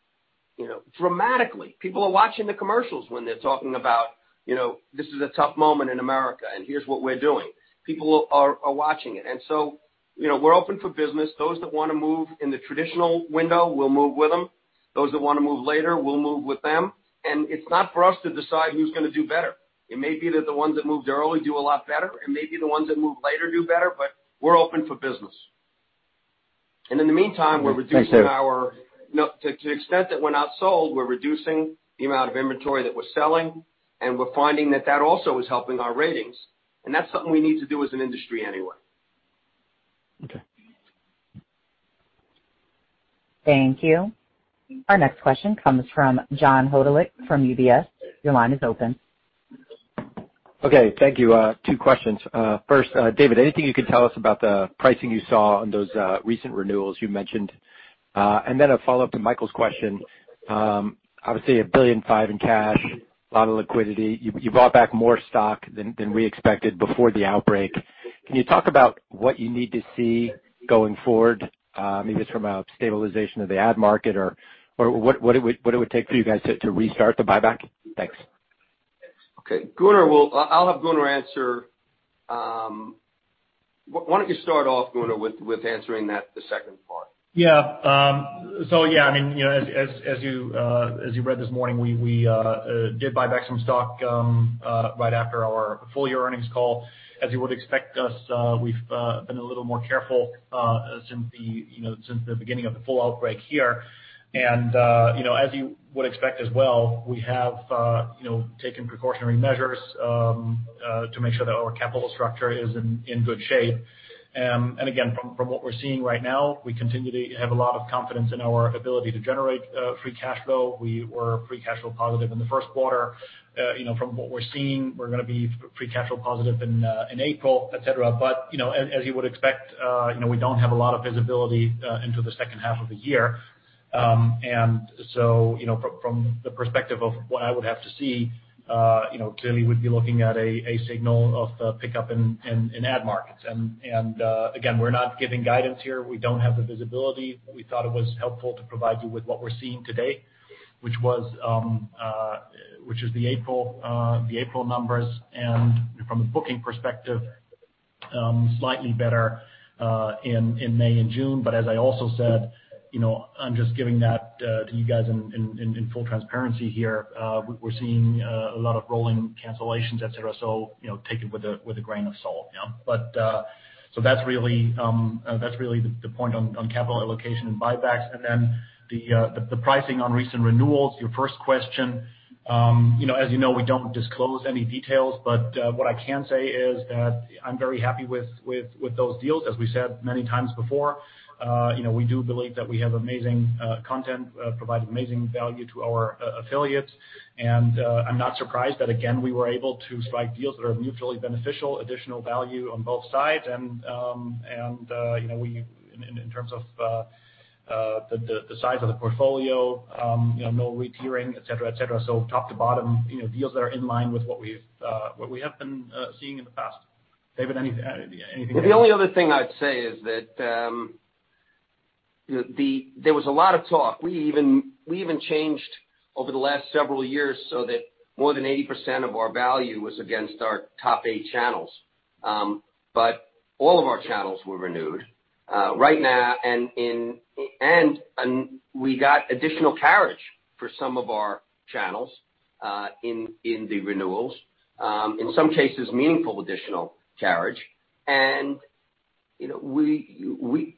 dramatically. People are watching the commercials when they're talking about, this is a tough moment in America and here's what we're doing. People are watching it. We're open for business. Those that want to move in the traditional window, we'll move with them. Those that want to move later, we'll move with them. It's not for us to decide who's going to do better. It may be that the ones that moved early do a lot better, and maybe the ones that move later do better, but we're open for business. In the meantime, we're reducing. Thanks, David. To the extent that we're not sold, we're reducing the amount of inventory that we're selling, and we're finding that that also is helping our ratings, and that's something we need to do as an industry anyway. Okay. Thank you. Our next question comes from John Hodulik from UBS. Your line is open. Okay. Thank you. Two questions. First, David, anything you can tell us about the pricing you saw on those recent renewals you mentioned? Then a follow-up to Michael's question. Obviously, a billion five in cash, a lot of liquidity. You bought back more stock than we expected before the outbreak. Can you talk about what you need to see going forward, maybe from a stabilization of the ad market, or what it would take for you guys to restart the buyback? Thanks. Okay. I'll have Gunnar answer. Why don't you start off, Gunnar, with answering the second part? Yeah. As you read this morning, we did buy back some stock right after our full year earnings call. As you would expect us, we've been a little more careful since the beginning of the full outbreak here. As you would expect as well, we have taken precautionary measures to make sure that our capital structure is in good shape. Again, from what we're seeing right now, we continue to have a lot of confidence in our ability to generate free cash flow. We were free cash flow positive in the first quarter. From what we're seeing, we're going to be free cash flow positive in April, et cetera. As you would expect, we don't have a lot of visibility into the second half of the year. From the perspective of what I would have to see, clearly would be looking at a signal of pickup in ad markets. Again, we're not giving guidance here. We don't have the visibility. We thought it was helpful to provide you with what we're seeing today, which is the April numbers and from a booking perspective, slightly better in May and June. As I also said, I'm just giving that to you guys in full transparency here. We're seeing a lot of rolling cancellations, et cetera. Take it with a grain of salt. That's really the point on capital allocation and buybacks. The pricing on recent renewals, your first question. As you know, we don't disclose any details, but what I can say is that I'm very happy with those deals. As we said many times before, we do believe that we have amazing content, provide amazing value to our affiliates. I'm not surprised that again, we were able to strike deals that are mutually beneficial, additional value on both sides. In terms of the size of the portfolio, no re-tiering, et cetera. Top to bottom deals that are in line with what we have been seeing in the past. David, anything you want to add? The only other thing I'd say is that there was a lot of talk. We even changed over the last several years so that more than 80% of our value was against our top eight channels. All of our channels were renewed. Right now, we got additional carriage for some of our channels in the renewals. In some cases, meaningful additional carriage.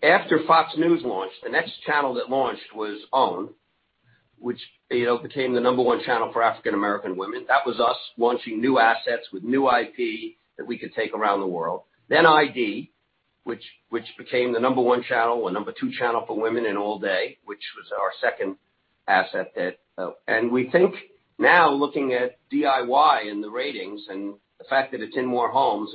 After Fox News launched, the next channel that launched was OWN, which became the number one channel for African American women. That was us launching new assets with new IP that we could take around the world. ID, which became the number one channel or number two channel for women in all day, which was our second asset. We think now looking at DIY and the ratings and the fact that it's in more homes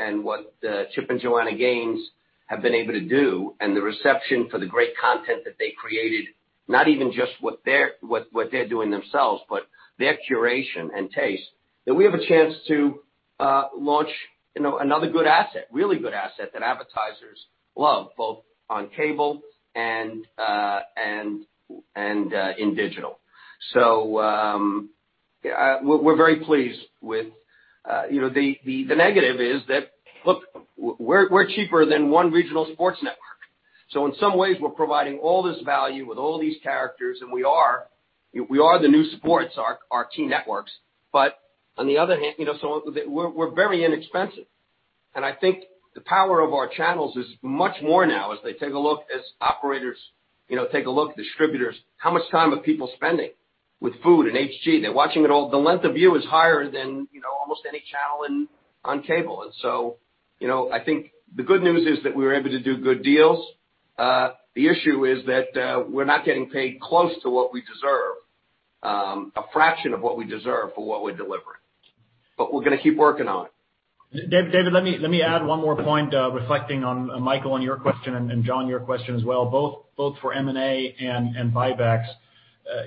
and what Chip and Joanna Gaines have been able to do and the reception for the great content that they created, not even just what they're doing themselves, but their curation and taste, that we have a chance to launch another good asset, really good asset that advertisers love, both on cable and in digital. We're very pleased. The negative is that, look, we're cheaper than one regional sports network. In some ways, we're providing all this value with all these characters, and we are the new sports, our team networks. On the other hand, we're very inexpensive. I think the power of our channels is much more now as they take a look, as operators take a look, distributors, how much time are people spending with Food and HG? They're watching it all. The length of view is higher than almost any channel on cable. I think the good news is that we were able to do good deals. The issue is that we're not getting paid close to what we deserve, a fraction of what we deserve for what we're delivering. We're going to keep working on it. David, let me add one more point, reflecting on Michael, on your question, and John, your question as well, both for M&A and buybacks.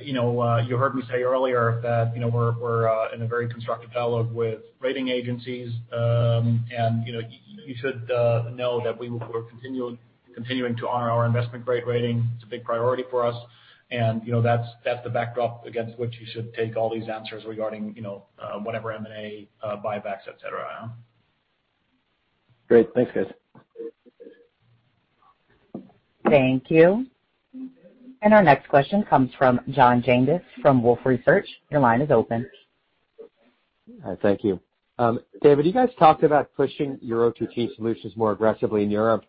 You heard me say earlier that we're in a very constructive dialogue with rating agencies. You should know that we're continuing to honor our investment-grade rating. It's a big priority for us. That's the backdrop against which you should take all these answers regarding whatever M&A, buybacks, et cetera. Great. Thanks, guys. Thank you. Our next question comes from John Janedis from Wolfe Research. Your line is open. Thank you. David, you guys talked about pushing your OTT solutions more aggressively in Europe.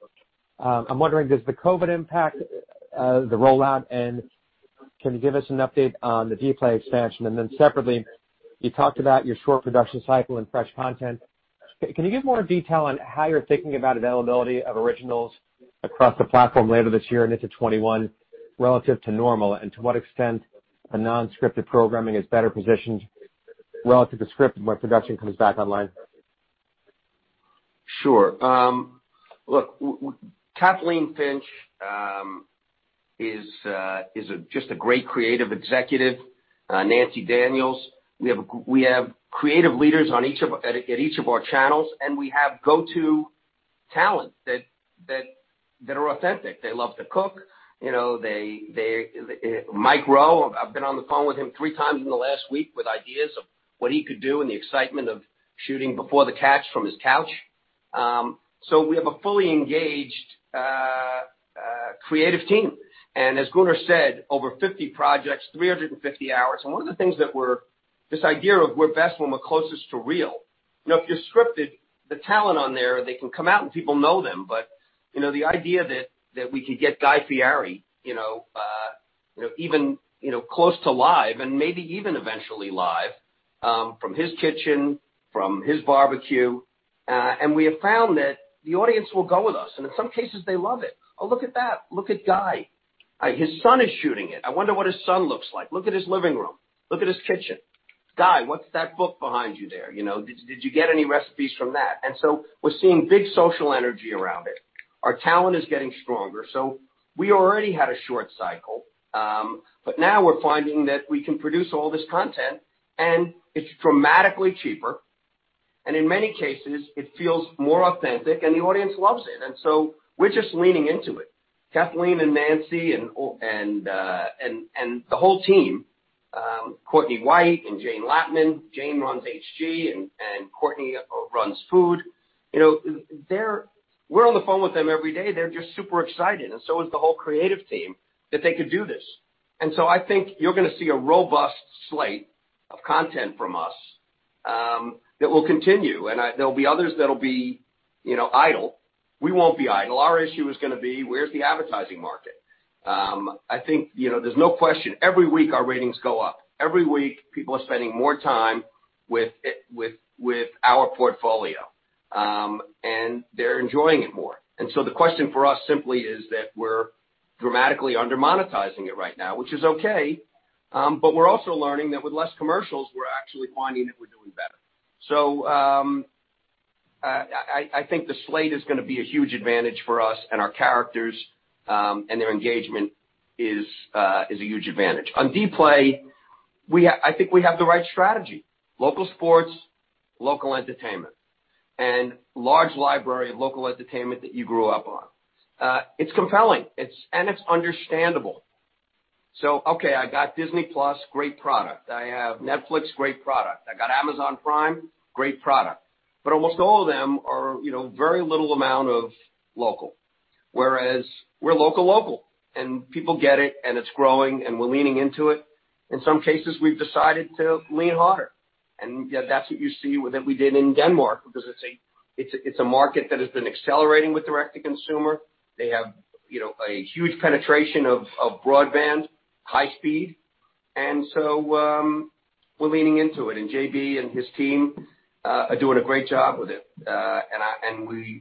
I'm wondering, does the COVID impact the rollout? Can you give us an update on the dplay expansion? Separately, you talked about your short production cycle and fresh content. Can you give more detail on how you're thinking about availability of originals across the platform later this year and into 2021 relative to normal, and to what extent a non-scripted programming is better positioned relative to script when production comes back online? Sure. Look, Kathleen Finch is just a great creative executive. Nancy Daniels. We have creative leaders at each of our channels, and we have go-to talent that are authentic. They love to cook. Mike Rowe, I've been on the phone with him three times in the last week with ideas of what he could do and the excitement of shooting Before the Catch from his couch. We have a fully engaged creative team. As Gunnar said, over 50 projects, 350 hours. This idea of we're best when we're closest to real. If you're scripted, the talent on there, they can come out and people know them. The idea that we could get Guy Fieri, even close to live and maybe even eventually live, from his kitchen, from his barbecue. We have found that the audience will go with us, and in some cases, they love it. Look at that. Look at Guy. His son is shooting it. I wonder what his son looks like. Look at his living room. Look at his kitchen. Guy, what's that book behind you there? Did you get any recipes from that? We're seeing big social energy around it. Our talent is getting stronger. We already had a short cycle, but now we're finding that we can produce all this content and it's dramatically cheaper. In many cases, it feels more authentic, and the audience loves it. We're just leaning into it. Kathleen and Nancy and the whole team, Courtney White and Jane Latman. Jane runs HGTV, and Courtney runs Food Network. We're on the phone with them every day. They're just super excited, and so is the whole creative team that they could do this. I think you're going to see a robust slate of content from us that will continue. There'll be others that'll be idle. We won't be idle. Our issue is going to be: where's the advertising market? I think there's no question. Every week, our ratings go up. Every week, people are spending more time with our portfolio, and they're enjoying it more. The question for us simply is that we're dramatically under-monetizing it right now, which is okay, but we're also learning that with less commercials, we're actually finding that we're doing better. I think the slate is going to be a huge advantage for us and our characters, and their engagement is a huge advantage. On dplay, I think we have the right strategy. Local sports, local entertainment, and large library of local entertainment that you grew up on. It's compelling, and it's understandable. Okay, I got Disney+, great product. I have Netflix, great product. I got Amazon Prime, great product. Almost all of them are very little amount of local. Whereas we're local, and people get it, and it's growing, and we're leaning into it. In some cases, we've decided to lean harder. That's what you see that we did in Denmark because it's a market that has been accelerating with direct-to-consumer. They have a huge penetration of broadband, high speed. We're leaning into it. JB and his team are doing a great job with it.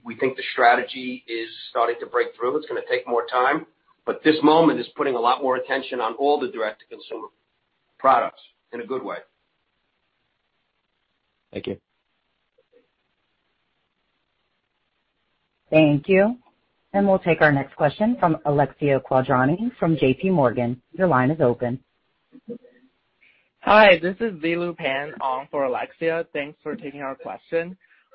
We think the strategy is starting to break through. It's going to take more time, but this moment is putting a lot more attention on all the direct-to-consumer products in a good way. Thank you. Thank you. We'll take our next question from Alexia Quadrani from JPMorgan. Your line is open. Hi, this is Zilu Pan for Alexia. Thanks for taking our.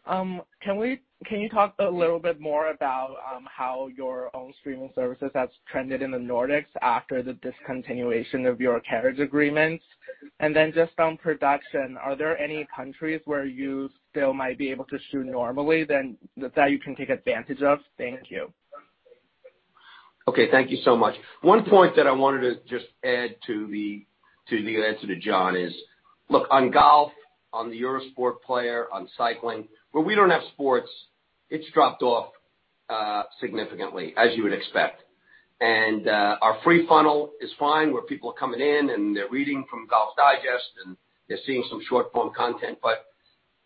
Can you talk a little bit more about how your own streaming services has trended in the Nordics after the discontinuation of your carriage agreements? Then just on production, are there any countries where you still might be able to shoot normally that you can take advantage of? Thank you. Okay. Thank you so much. One point that I wanted to just add to the answer to John is, look, on GOLF, on the Eurosport Player, on cycling, where we don't have sports, it's dropped off significantly as you would expect. Our free funnel is fine where people are coming in and they're reading from Golf Digest, and they're seeing some short-form content.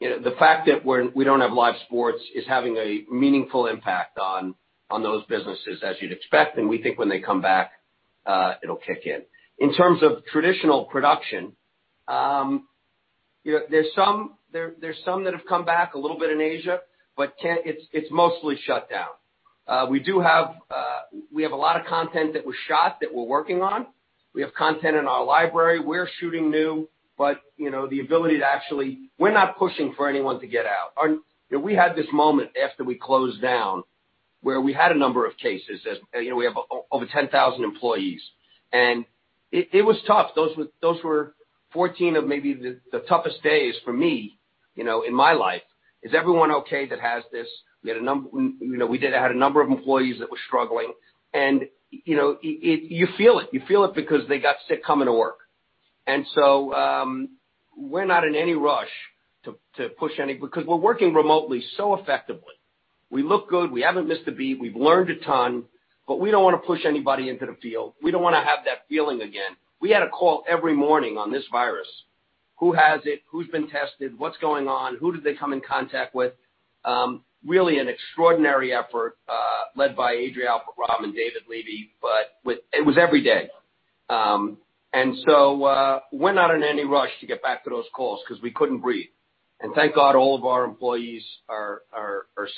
The fact that we don't have live sports is having a meaningful impact on those businesses as you'd expect. We think when they come back, it'll kick in. In terms of traditional production, there's some that have come back a little bit in Asia, but it's mostly shut down. We have a lot of content that was shot that we're working on. We have content in our library. We're shooting new. We're not pushing for anyone to get out. We had this moment after we closed down where we had a number of cases as we have over 10,000 employees. It was tough. Those were 14 of maybe the toughest days for me in my life. Is everyone okay that has this? We had a number of employees that were struggling. You feel it. You feel it because they got sick coming to work. We're not in any rush to push any because we're working remotely so effectively. We look good. We haven't missed a beat. We've learned a ton. We don't want to push anybody into the field. We don't want to have that feeling again. We had a call every morning on this virus. Who has it? Who's been tested? What's going on? Who did they come in contact with? Really an extraordinary effort, led by Adria Alpert Romm and David Leavy, but it was every day. We're not in any rush to get back to those calls because we couldn't breathe. Thank God all of our employees are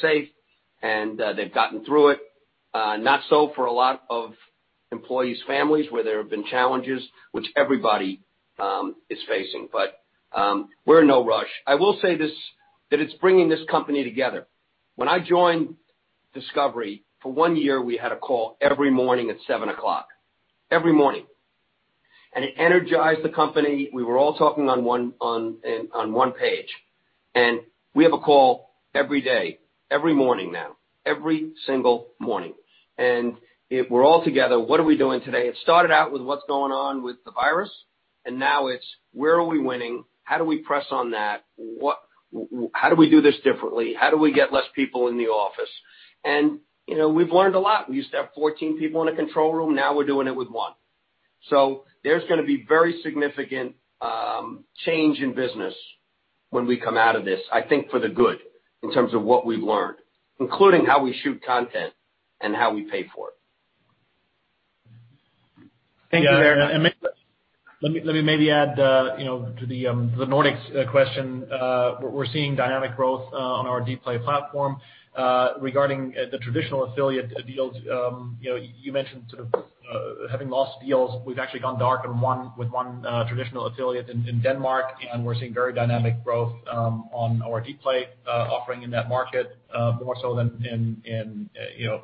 safe, and they've gotten through it. Not so for a lot of employees' families, where there have been challenges, which everybody is facing. We're in no rush. I will say this, that it's bringing this company together. When I joined Discovery, for one year, we had a call every morning at 7:00 A.M. Every morning. It energized the company. We were all talking on one page. We have a call every day, every morning now. Every single morning. We're all together. What are we doing today? It started out with what's going on with the virus, and now it's where are we winning? How do we press on that? How do we do this differently? How do we get less people in the office? We've learned a lot. We used to have 14 people in a control room. Now we're doing it with one. There's going to be very significant change in business when we come out of this, I think, for the good in terms of what we've learned, including how we shoot content and how we pay for it. Thank you very much. Let me maybe add to the Nordics question. We're seeing dynamic growth on our dplay platform. Regarding the traditional affiliate deals, you mentioned sort of having lost deals. We've actually gone dark with one traditional affiliate in Denmark, and we're seeing very dynamic growth on our dplay offering in that market, more so than in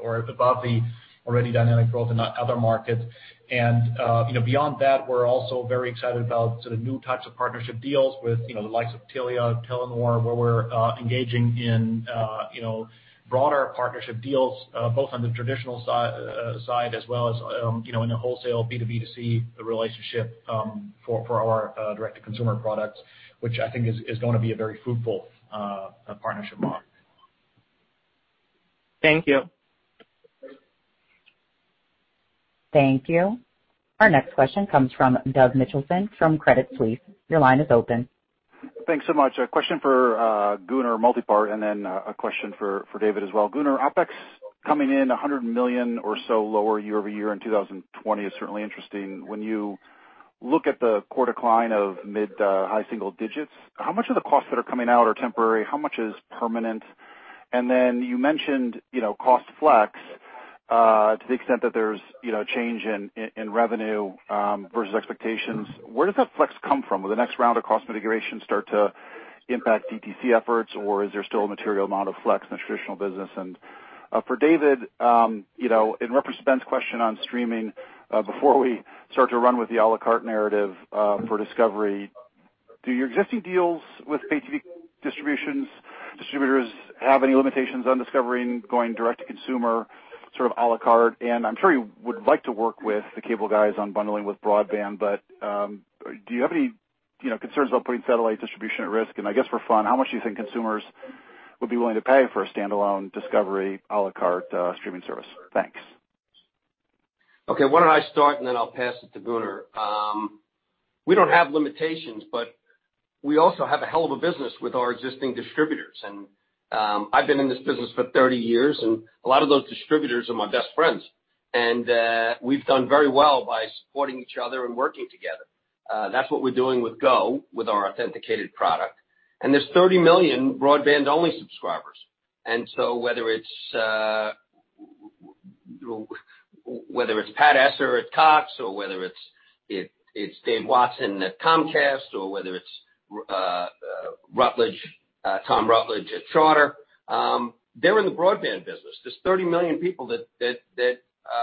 or above the already dynamic growth in other markets. Beyond that, we're also very excited about sort of new types of partnership deals with the likes of Telia, Telenor, where we're engaging in broader partnership deals, both on the traditional side as well as in the wholesale B2B2C relationship for our direct-to-consumer products, which I think is going to be a very fruitful partnership model. Thank you. Thank you. Our next question comes from Doug Mitchelson from Credit Suisse. Your line is open. Thanks so much. A question for Gunnar, multi-part, then a question for David as well. Gunnar, OpEx coming in $100 million or so lower year-over-year in 2020 is certainly interesting. When you look at the core decline of mid-high single digits, how much of the costs that are coming out are temporary? How much is permanent? Then you mentioned cost flex to the extent that there's change in revenue versus expectations. Where does that flex come from? Will the next round of cost mitigation start to impact DTC efforts, or is there still a material amount of flex in the traditional business? For David, in reference to Ben's question on streaming, before we start to run with the a la carte narrative for Discovery, do your existing deals with pay TV distributors have any limitations on Discovery going direct to consumer, sort of a la carte? I'm sure you would like to work with the cable guys on bundling with broadband, but do you have any concerns about putting satellite distribution at risk? I guess for fun, how much do you think consumers would be willing to pay for a standalone Discovery a la carte streaming service? Thanks. Okay. Why don't I start, then I'll pass it to Gunnar. We don't have limitations, we also have a hell of a business with our existing distributors. I've been in this business for 30 years, and a lot of those distributors are my best friends, and we've done very well by supporting each other and working together. That's what we're doing with GO, with our authenticated product. There's 30 million broadband-only subscribers. Whether it's Pat Esser at Cox or whether it's Dave Watson at Comcast, or whether it's Tom Rutledge at Charter, they're in the broadband business. There's 30 million people that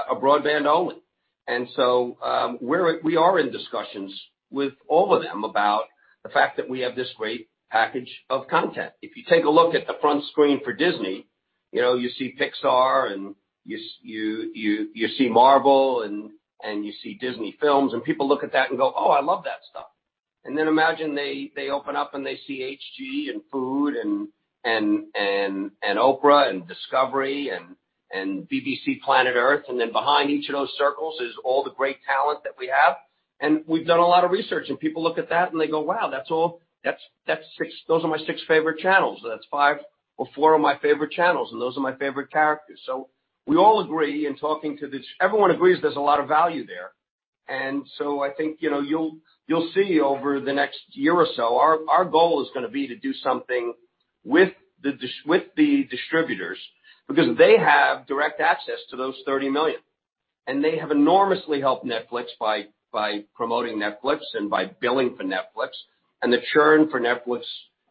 are broadband only. We are in discussions with all of them about the fact that we have this great package of content. If you take a look at the front screen for Disney, you see Pixar and you see Marvel and you see Disney films, and people look at that and go, Oh, I love that stuff. Then imagine they open up and they see HG and Food and Oprah and Discovery and BBC Planet Earth, and then behind each of those circles is all the great talent that we have. We've done a lot of research, and people look at that and they go, Wow, those are my six favorite channels. That's five or four of my favorite channels, and those are my favorite characters." Everyone agrees there's a lot of value there. I think you'll see over the next year or so, our goal is going to be to do something with the distributors because they have direct access to those 30 million, and they have enormously helped Netflix by promoting Netflix and by billing for Netflix. The churn for Netflix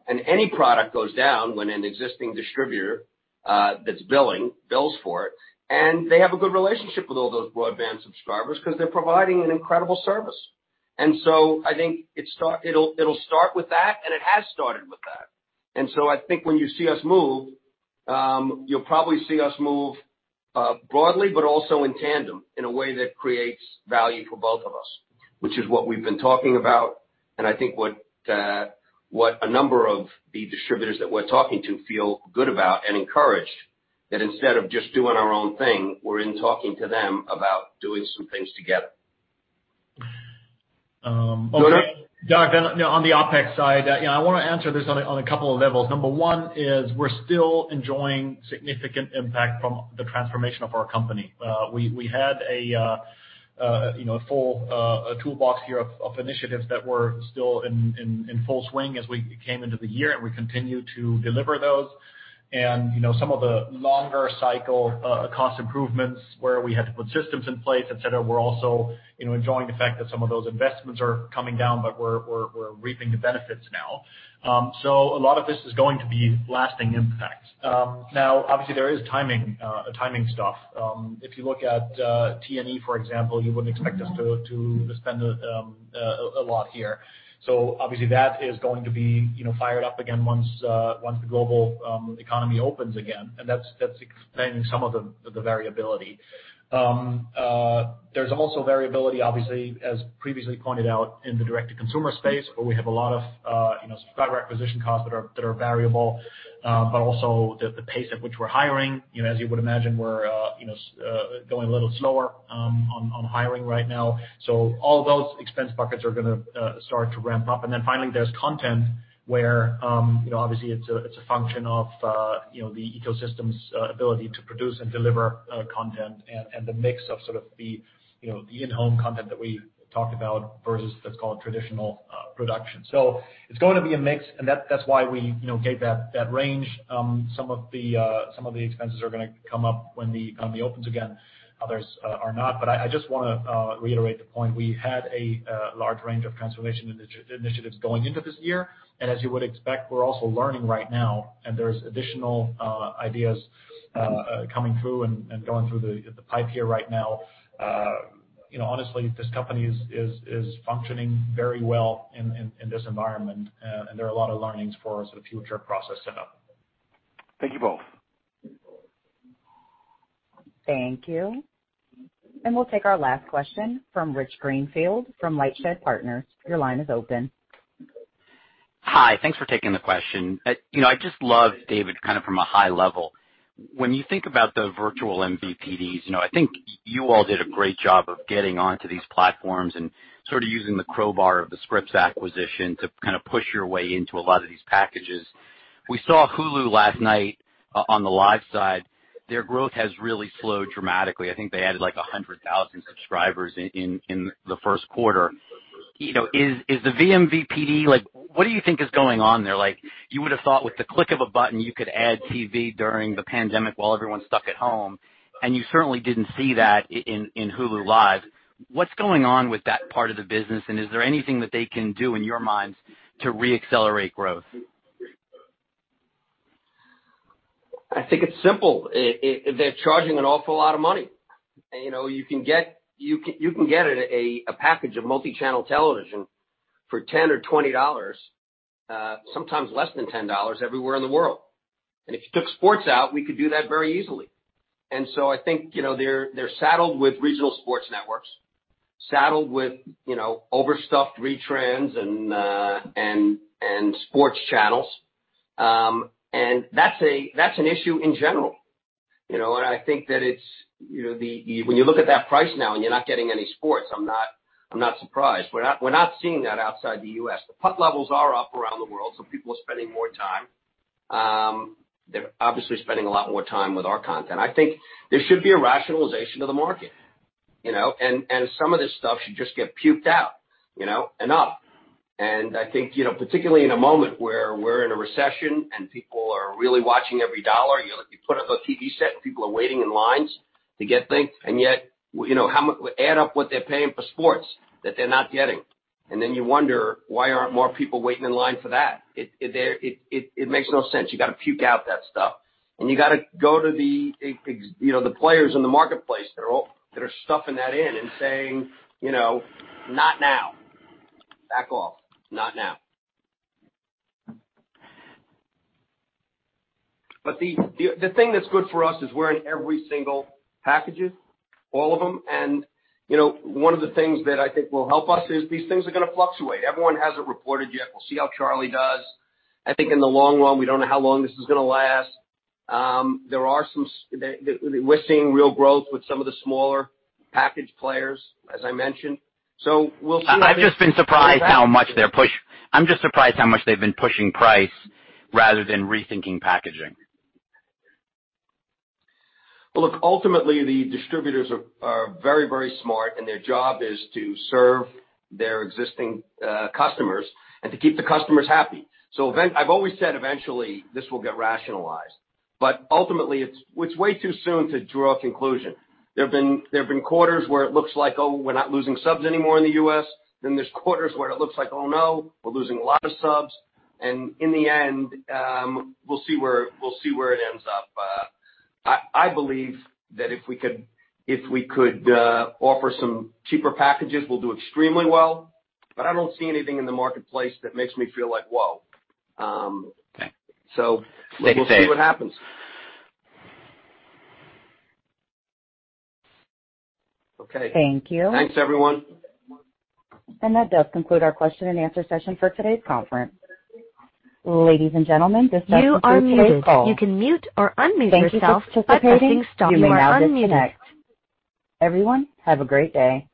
and any product goes down when an existing distributor that's billing bills for it. They have a good relationship with all those broadband subscribers because they're providing an incredible service. I think it'll start with that, and it has started with that. I think when you see us move, you'll probably see us move broadly, but also in tandem in a way that creates value for both of us, which is what we've been talking about and I think what a number of the distributors that we're talking to feel good about and encouraged. That instead of just doing our own thing, we're in talking to them about doing some things together. Gunnar? Doug, on the OpEx side, I want to answer this on a couple of levels. Number 1 is we're still enjoying significant impact from the transformation of our company. We had a full toolbox here of initiatives that were still in full swing as we came into the year, and we continue to deliver those. Some of the longer cycle cost improvements where we had to put systems in place, et cetera, we're also enjoying the fact that some of those investments are coming down, but we're reaping the benefits now. A lot of this is going to be lasting impact. Now, obviously there is timing stuff. If you look at T&E, for example, you wouldn't expect us to spend a lot here. Obviously that is going to be fired up again once the global economy opens again, and that's explaining some of the variability. There's also variability, obviously, as previously pointed out in the direct-to-consumer space, where we have a lot of subscriber acquisition costs that are variable. Also the pace at which we're hiring. As you would imagine, we're going a little slower on hiring right now. All those expense buckets are going to start to ramp up. Finally there's content where obviously it's a function of the ecosystem's ability to produce and deliver content and the mix of sort of the in-home content that we talked about versus let's call it traditional production. It's going to be a mix, and that's why we gave that range. Some of the expenses are going to come up when the economy opens again, others are not. I just want to reiterate the point. We had a large range of transformation initiatives going into this year. As you would expect, we're also learning right now and there's additional ideas coming through and going through the pipe here right now. Honestly, this company is functioning very well in this environment. There are a lot of learnings for us for future process setup. Thank you both. Thank you. We'll take our last question from Rich Greenfield from LightShed Partners. Your line is open. Hi. Thanks for taking the question. I just love, David, kind of from a high level, when you think about the virtual MVPDs, I think you all did a great job of getting onto these platforms and sort of using the crowbar of the Scripps acquisition to kind of push your way into a lot of these packages. We saw Hulu last night on the live side. Their growth has really slowed dramatically. I think they added like 100,000 subscribers in the first quarter. Is the vMVPD what do you think is going on there? You would have thought with the click of a button you could add TV during the pandemic while everyone's stuck at home, and you certainly didn't see that in Hulu Live. What's going on with that part of the business, and is there anything that they can do in your minds to re-accelerate growth? I think it's simple. They're charging an awful lot of money. You can get a package of multi-channel television for $10 or $20, sometimes less than $10 everywhere in the world. If you took sports out, we could do that very easily. I think, they're saddled with regional sports networks, saddled with overstuffed retrans and sports channels. That's an issue in general. I think that when you look at that price now, and you're not getting any sports, I'm not surprised. We're not seeing that outside the U.S. The peak levels are up around the world, so people are spending more time. They're obviously spending a lot more time with our content. I think there should be a rationalization of the market, and some of this stuff should just get puked out and up. I think, particularly in a moment where we're in a recession and people are really watching every dollar, you put up a TV set and people are waiting in lines to get things, and yet add up what they're paying for sports that they're not getting, and then you wonder why aren't more people waiting in line for that. It makes no sense. You got to puke out that stuff. You got to go to the players in the marketplace that are stuffing that in and saying, Not now. Back off. Not now. The thing that's good for us is we're in every single packages, all of them, and one of the things that I think will help us is these things are going to fluctuate. Everyone hasn't reported yet. We'll see how Charlie does. I think in the long run, we don't know how long this is going to last. We're seeing real growth with some of the smaller package players, as I mentioned. We'll see. I'm just surprised how much they've been pushing price rather than rethinking packaging. Well, look, ultimately, the distributors are very smart, and their job is to serve their existing customers and to keep the customers happy. I've always said eventually this will get rationalized, but ultimately, it's way too soon to draw a conclusion. There have been quarters where it looks like, oh, we're not losing subs anymore in the U.S., then there's quarters where it looks like, oh, no, we're losing a lot of subs. In the end, we'll see where it ends up. I believe that if we could offer some cheaper packages, we'll do extremely well, but I don't see anything in the marketplace that makes me feel like, whoa. Okay. We'll see what happens. Safe to say. Okay. Thank you. Thanks, everyone. That does conclude our question-and-answer session for today's conference. Ladies and gentlemen, this does conclude today's call. You are muted. You can mute or unmute yourself by pressing star four. Thank you for participating. You may now disconnect. Everyone, have a great day.